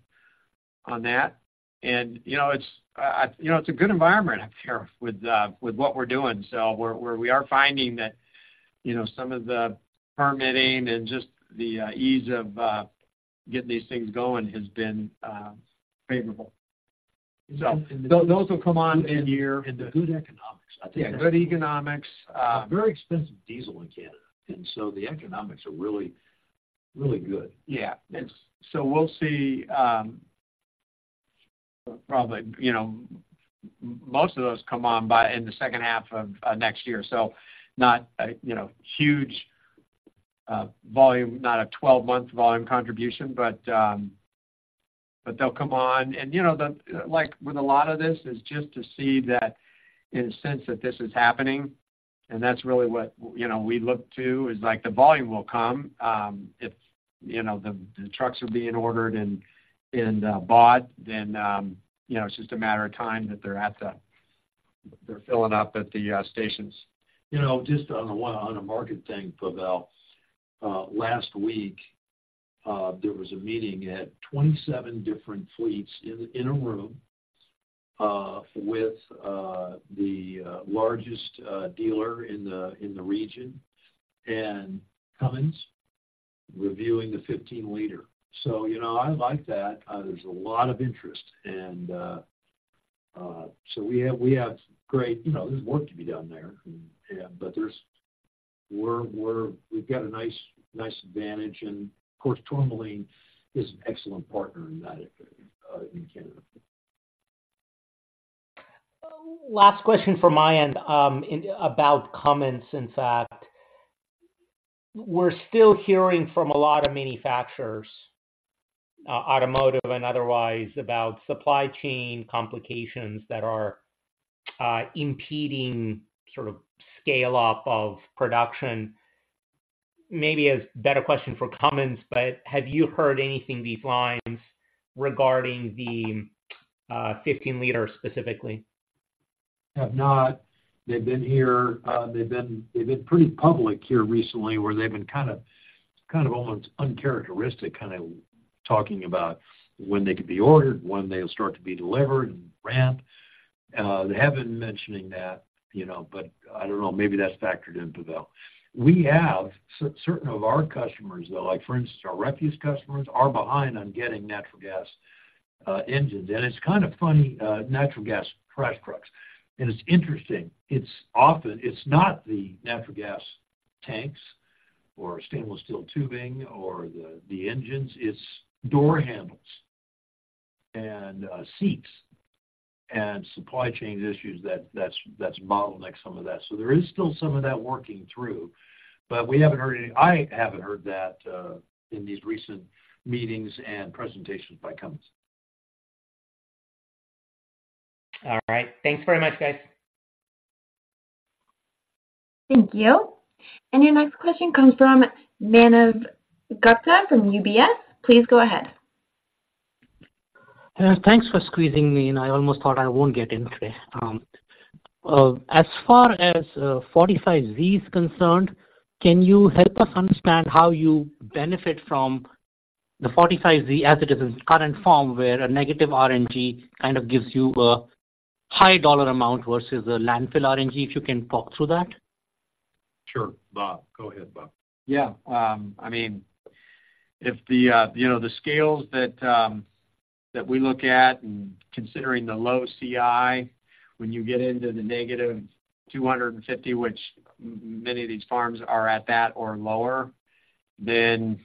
on that. And you know, it's you know, it's a good environment up here with what we're doing. So we're finding that you know, some of the permitting and just the ease of getting these things going has been favorable. So those will come on in here. Good economics. Yeah, good economics, Very expensive diesel in Canada, and so the economics are really, really good. Yeah. So we'll see, probably, you know, most of those come on by in the second half of next year. So not a, you know, huge volume, not a 12-month volume contribution, but they'll come on. And, you know, the, like with a lot of this, is just to see that in a sense that this is happening, and that's really what, you know, we look to, is like, the volume will come. If, you know, the trucks are being ordered and bought, then, you know, it's just a matter of time that they're filling up at the stations. You know, just on a market thing, Pavel, last week there was a meeting. It had 27 different fleets in a room with the largest dealer in the region, and Cummins reviewing the 15-liter. So, you know, I like that. There's a lot of interest. And so we have great, you know, there's work to be done there. And we've got a nice advantage. And of course, Tourmaline is an excellent partner in that in Canada. Last question from my end about comments. In fact, we're still hearing from a lot of manufacturers, automotive and otherwise, about supply chain complications that are impeding sort of scale-up of production. Maybe a better question for Cummins, but have you heard anything along these lines regarding the 15-liter specifically? We have not. They've been here. They've been pretty public here recently, where they've been kind of almost uncharacteristic, kind of talking about when they could be ordered, when they'll start to be delivered and ramped. They have been mentioning that, you know, but I don't know, maybe that's factored in, Pavel. We have certain of our customers, though, like for instance, our refuse customers, are behind on getting natural gas engines. And it's kind of funny, natural gas trash trucks, and it's interesting. It's often. It's not the natural gas tanks or stainless steel tubing or the engines. It's door handles and seats and supply chain issues that's bottlenecked some of that. So there is still some of that working through, but we haven't heard any. I haven't heard that, in these recent meetings and presentations by Cummins. All right. Thanks very much, guys. Thank you. Your next question comes from Manav Gupta from UBS. Please go ahead. Thanks for squeezing me in. I almost thought I won't get in today. As far as 45Z is concerned, can you help us understand how you benefit from the 45Z as it is in its current form, where a negative RNG kind of gives you a high dollar amount versus a landfill RNG? If you can talk through that. Sure. Bob, go ahead, Bob. Yeah. I mean, if the, you know, the scales that we look at and considering the low CI, when you get into the -250, which many of these farms are at that or lower, then,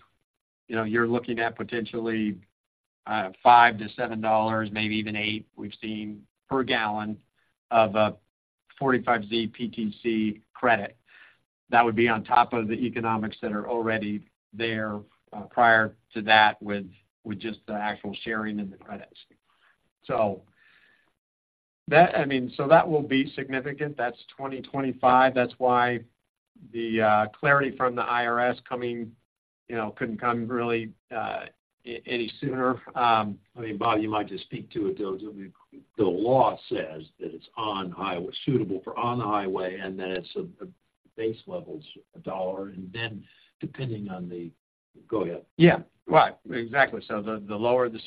you know, you're looking at potentially, $5 to $7, maybe even $8 we've seen per gallon of a 45Z PTC credit. That would be on top of the economics that are already there, prior to that with, with just the actual sharing in the credits. So that, I mean, so that will be significant. That's 2025. That's why the clarity from the IRS coming, you know, couldn't come really, any sooner. I mean, Bob, you might just speak to it, though, the law says that it's on-highway suitable for on the highway, and then it's a base level is $1, and then depending on the, go ahead. Yeah, right. Exactly. So the lower the,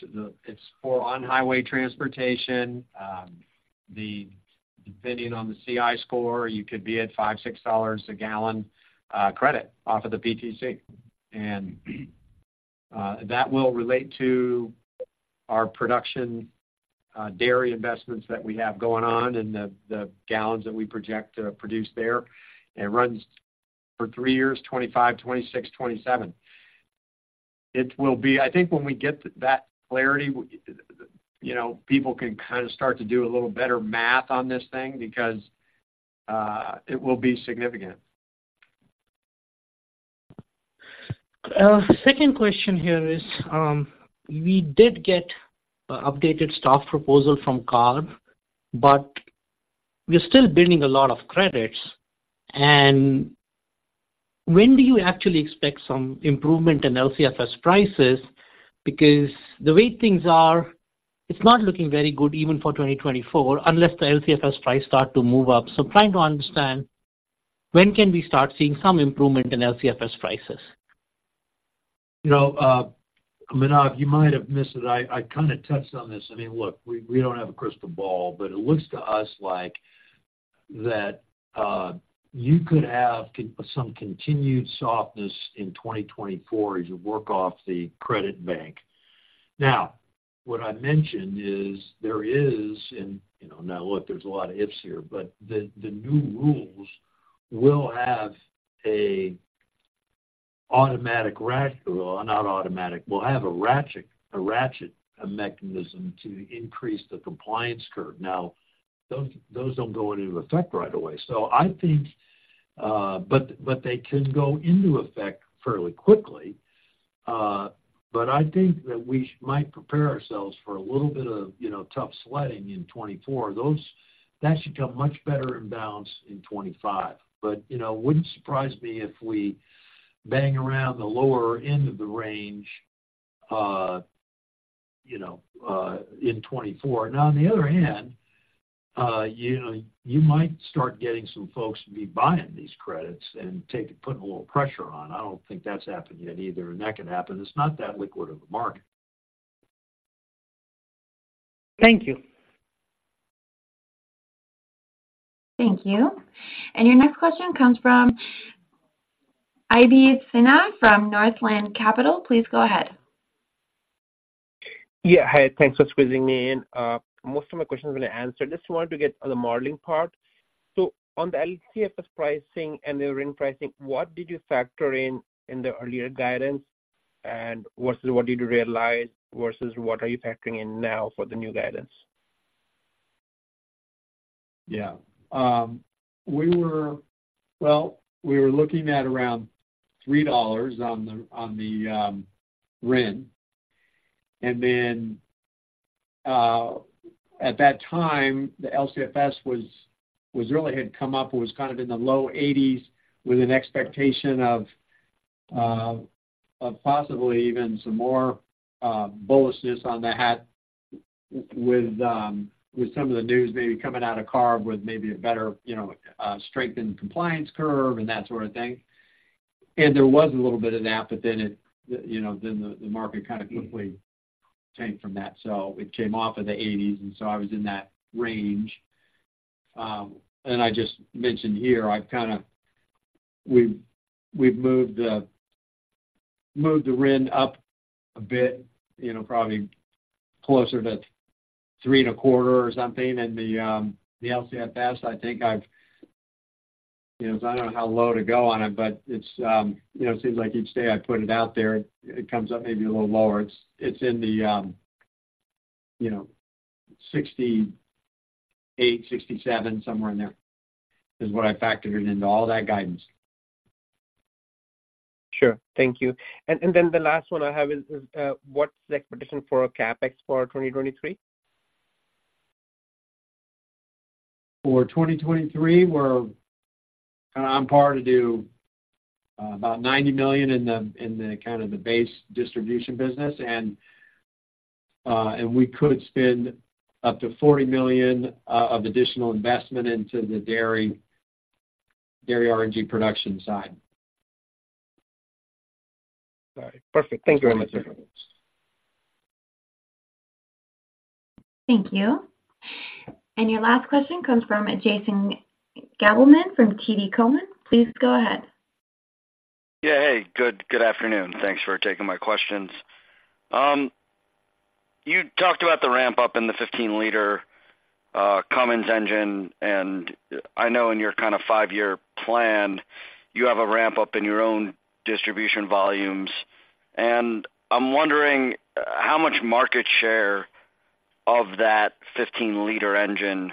it's for on-highway transportation, depending on the CI score, you could be at $5-$6 a gallon credit off of the PTC. And that will relate to our production dairy investments that we have going on and the gallons that we project to produce there. It runs for three years, 2025, 2026, 2027. It will be, I think, when we get that clarity, we, you know, people can kind of start to do a little better math on this thing because it will be significant. Second question here is, we did get updated staff proposal from CARB, but we're still building a lot of credits. And when do you actually expect some improvement in LCFS prices? Because the way things are, it's not looking very good even for 2024, unless the LCFS price start to move up. So trying to understand, when can we start seeing some improvement in LCFS prices? You know, Manav, you might have missed it. I kind of touched on this. I mean, look, we don't have a crystal ball, but it looks to us like that you could have some continued softness in 2024 as you work off the credit bank. Now, what I mentioned is there is, and you know, now, look, there's a lot of ifs here, but the new rules will have a automatic ratchet. Well, not automatic, will have a ratchet, a ratchet, a mechanism to increase the compliance curve. Now, those don't go into effect right away. So I think, but they can go into effect fairly quickly. But I think that we might prepare ourselves for a little bit of, you know, tough sledding in 2024. That should come much better in balance in 2025. But, you know, it wouldn't surprise me if we bang around the lower end of the range, you know, in 2024. Now, on the other hand, you know, you might start getting some folks to be buying these credits and putting a little pressure on. I don't think that's happened yet either, and that can happen. It's not that liquid of a market. Thank you. Thank you. And your next question comes from Abhishek Sinha from Northland Capital. Please go ahead. Yeah. Hi, thanks for squeezing me in. Most of my questions have been answered. I just wanted to get the modeling part. So on the LCFS pricing and the RIN pricing, what did you factor in the earlier guidance? And versus what did you realize, versus what are you factoring in now for the new guidance? Yeah. We were looking at around $3 on the RIN, and then at that time, the LCFS was really had come up. It was kind of in the low $80s, with an expectation of possibly even some more bullishness on the LCFS with some of the news maybe coming out of CARB, with maybe a better, you know, strengthened compliance curve and that sort of thing. And there was a little bit of that, but then it, you know, then the market kind of quickly changed from that. So it came off of the $80s, and so I was in that range. I just mentioned here, I've kind of, we've moved the RIN up a bit, you know, probably closer to $3.25 or something in the LCFS. I think I've, you know, I don't know how low to go on it, but it's, you know, it seems like each day I put it out there, it comes up maybe a little lower. It's in the, you know, $68-$67, somewhere in there, is what I factored it into all that guidance. Sure. Thank you. And then the last one I have is, what's the expectation for CapEx for 2023? For 2023, we're on par to do about $90 million in the kind of the base distribution business. And we could spend up to $40 million of additional investment into the dairy RNG production side. All right. Perfect. Thank you very much. Thank you. And your last question comes from Jason Gabelman from TD Cowen. Please go ahead. Yeah, hey, good, good afternoon. Thanks for taking my questions. You talked about the ramp-up in the 15-liter Cummins engine, and I know in your kind of five-year plan, you have a ramp-up in your own distribution volumes. And I'm wondering: how much market share of that 15-liter engine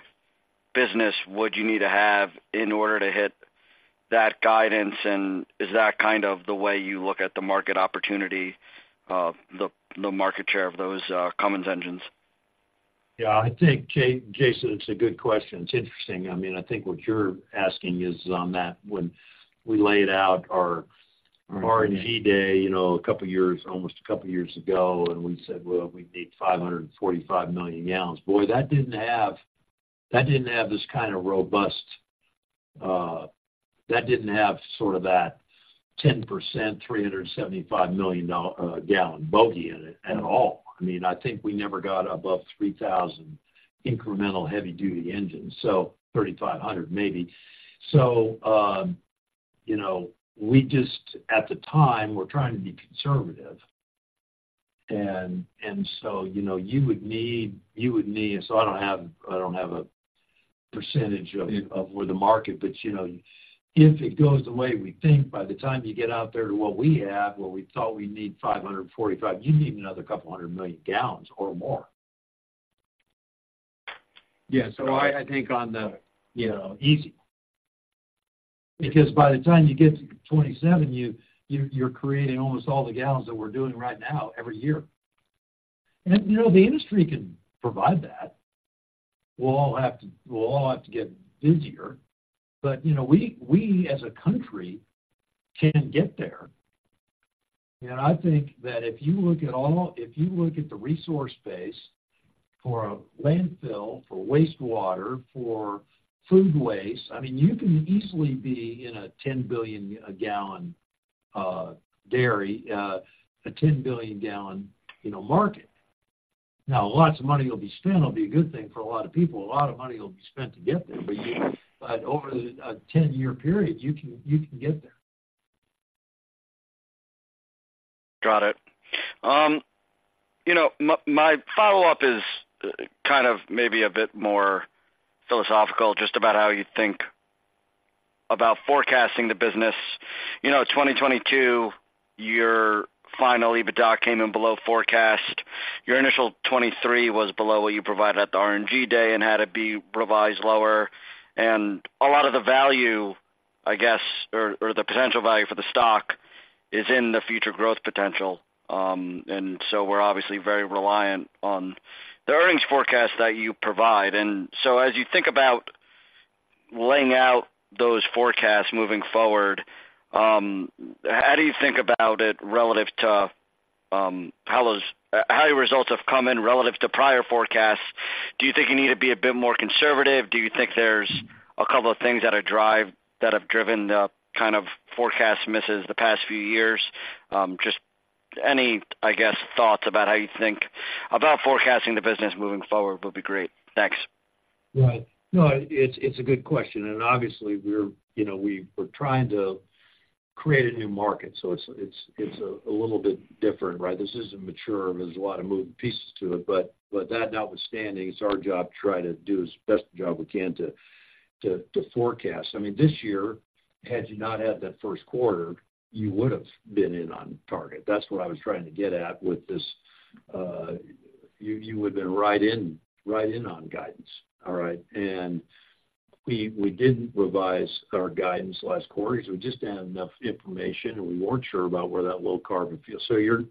business would you need to have in order to hit that guidance? And is that kind of the way you look at the market opportunity, the market share of those Cummins engines? Yeah, I think, Jason, it's a good question. It's interesting. I mean, I think what you're asking is on that when we laid out our RNG Day, you know, a couple of years, almost a couple of years ago, and we said, well, we need 545 million gallons. Boy, that didn't have this kind of robust. That didn't have sort of that 10%, 375 million gallon bogey in it at all. I mean, I think we never got above 3,000 incremental heavy-duty engines, so 3,500 maybe. So, you know, we just, at the time, we're trying to be conservative. And so, you know, you would need, so I don't have a percentage of where the market. But you know, if it goes the way we think, by the time you get out there to what we have, where we thought we need 545, you need another 200 million gallons or more. Yeah. So I think on the, you know, easy, because by the time you get to 2027, you're creating almost all the gallons that we're doing right now every year. You know, the industry can provide that. We'll all have to, we'll all have to get busier. But, you know, we as a country can get there. And I think that if you look at all, if you look at the resource base for a landfill, for wastewater, for food waste, I mean, you can easily be in a 10 billion gallon dairy, a 10 billion gallon, you know, market. Now, lots of money will be spent. It'll be a good thing for a lot of people. A lot of money will be spent to get there, but over a 10-year period, you can get there. Got it. You know, my follow-up is kind of maybe a bit more philosophical, just about how you think about forecasting the business. You know, 2022, your final EBITDA came in below forecast. Your initial 2023 was below what you provided at the RNG Day and had it be revised lower. And a lot of the value or the potential value for the stock is in the future growth potential. And so we're obviously very reliant on the earnings forecast that you provide. And so as you think about laying out those forecasts moving forward, how do you think about it relative to how your results have come in relative to prior forecasts? Do you think you need to be a bit more conservative? Do you think there's a couple of things that have driven the kind of forecast misses the past few years? Just any thoughts about how you think about forecasting the business moving forward would be great. Thanks. Right. No, it's a good question, and obviously, we're, you know, we're trying to create a new market, so it's a little bit different, right? This isn't mature. There's a lot of moving pieces to it. But that notwithstanding, it's our job to try to do as best a job we can to forecast. I mean, this year, had you not had that first quarter, you would have been in on target. That's what I was trying to get at with this, you would have been right in, right in on guidance. All right? And we didn't revise our guidance last quarter because we just didn't have enough information, and we weren't sure about where that low-carbon fuel so your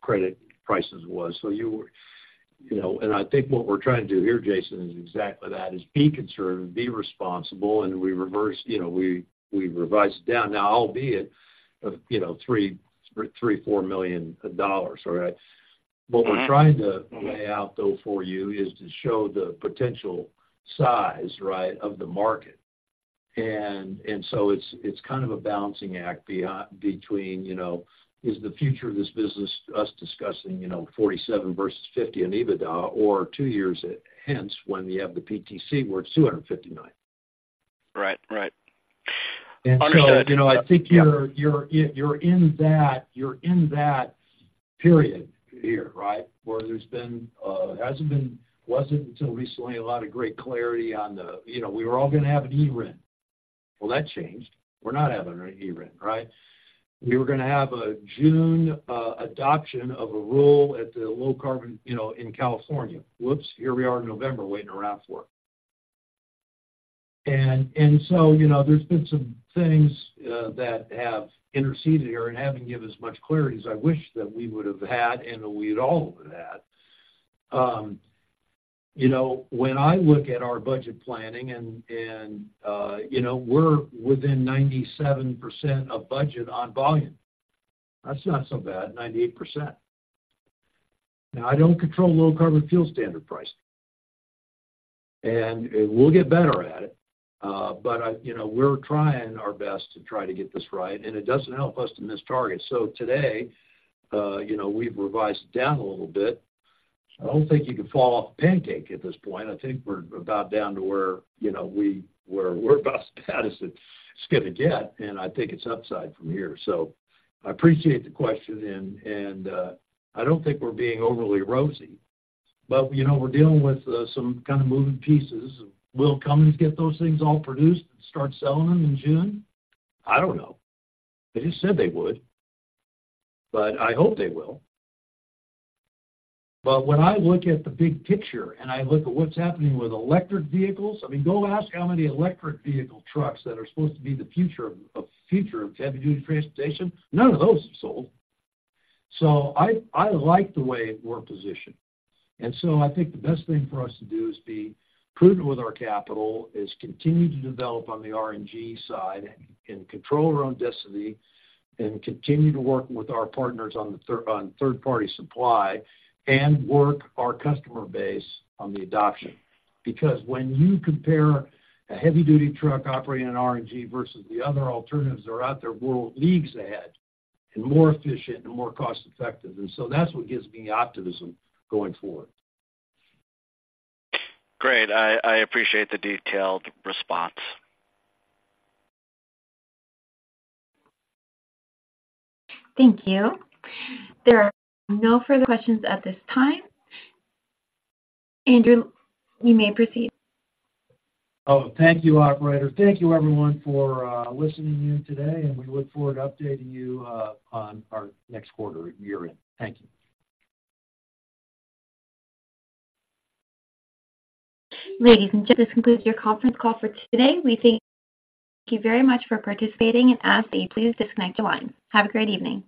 credit prices was. So you were, you know, and I think what we're trying to do here, Jason, is exactly that, is be conservative, be responsible, and we reverse, you know, we revise it down. Now, albeit, you know, $3 million-$4 million, all right? What we're trying to lay out, though, for you is to show the potential size, right, of the market. And so it's kind of a balancing act between, you know, is the future of this business, us discussing, you know, 47 versus 50 in EBITDA or two years hence when you have the PTC worth $259. Right. Right. Understood. And so, you know, I think you're in that period here, right? Where there hasn't been, wasn't until recently, a lot of great clarity on the. You know, we were all going to have a RIN. Well, that changed. We're not having a RIN, right? We were going to have a June adoption of a rule at the Low Carbon, you know, in California. Whoops, here we are in November waiting around for it. And so, you know, there's been some things that have interceded here and haven't given as much clarity as I wish that we would have had and that we'd all would have had. You know, when I look at our budget planning and, you know, we're within 97% of budget on volume. That's not so bad, 98%. Now, I don't control Low Carbon Fuel Standard price, and we'll get better at it. But I, you know, we're trying our best to try to get this right, and it doesn't help us to miss targets. So today, you know, we've revised down a little bit. I don't think you can fall off a pancake at this point. I think we're about down to where, you know, where we're about as bad as it's going to get, and I think it's upside from here. So I appreciate the question, and, and, I don't think we're being overly rosy, but, you know, we're dealing with some kind of moving pieces. Will Cummins get those things all produced and start selling them in June? I don't know. They just said they would, but I hope they will. But when I look at the big picture and I look at what's happening with electric vehicles, I mean, go ask how many electric vehicle trucks that are supposed to be the future of heavy-duty transportation. None of those have sold. So I like the way we're positioned, and so I think the best thing for us to do is be prudent with our capital, is continue to develop on the RNG side and control our own destiny, and continue to work with our partners on third-party supply and work our customer base on the adoption. Because when you compare a heavy-duty truck operating on RNG versus the other alternatives that are out there, we're leagues ahead and more efficient and more cost-effective, and so that's what gives me optimism going forward. Great. I appreciate the detailed response. Thank you. There are no further questions at this time. Andrew, you may proceed. Thank you, operator. Thank you, everyone, for listening in today, and we look forward to updating you on our next quarter year-end. Thank you. Ladies and gentlemen, this concludes your conference call for today. We thank you very much for participating and ask that you please disconnect your line. Have a great evening.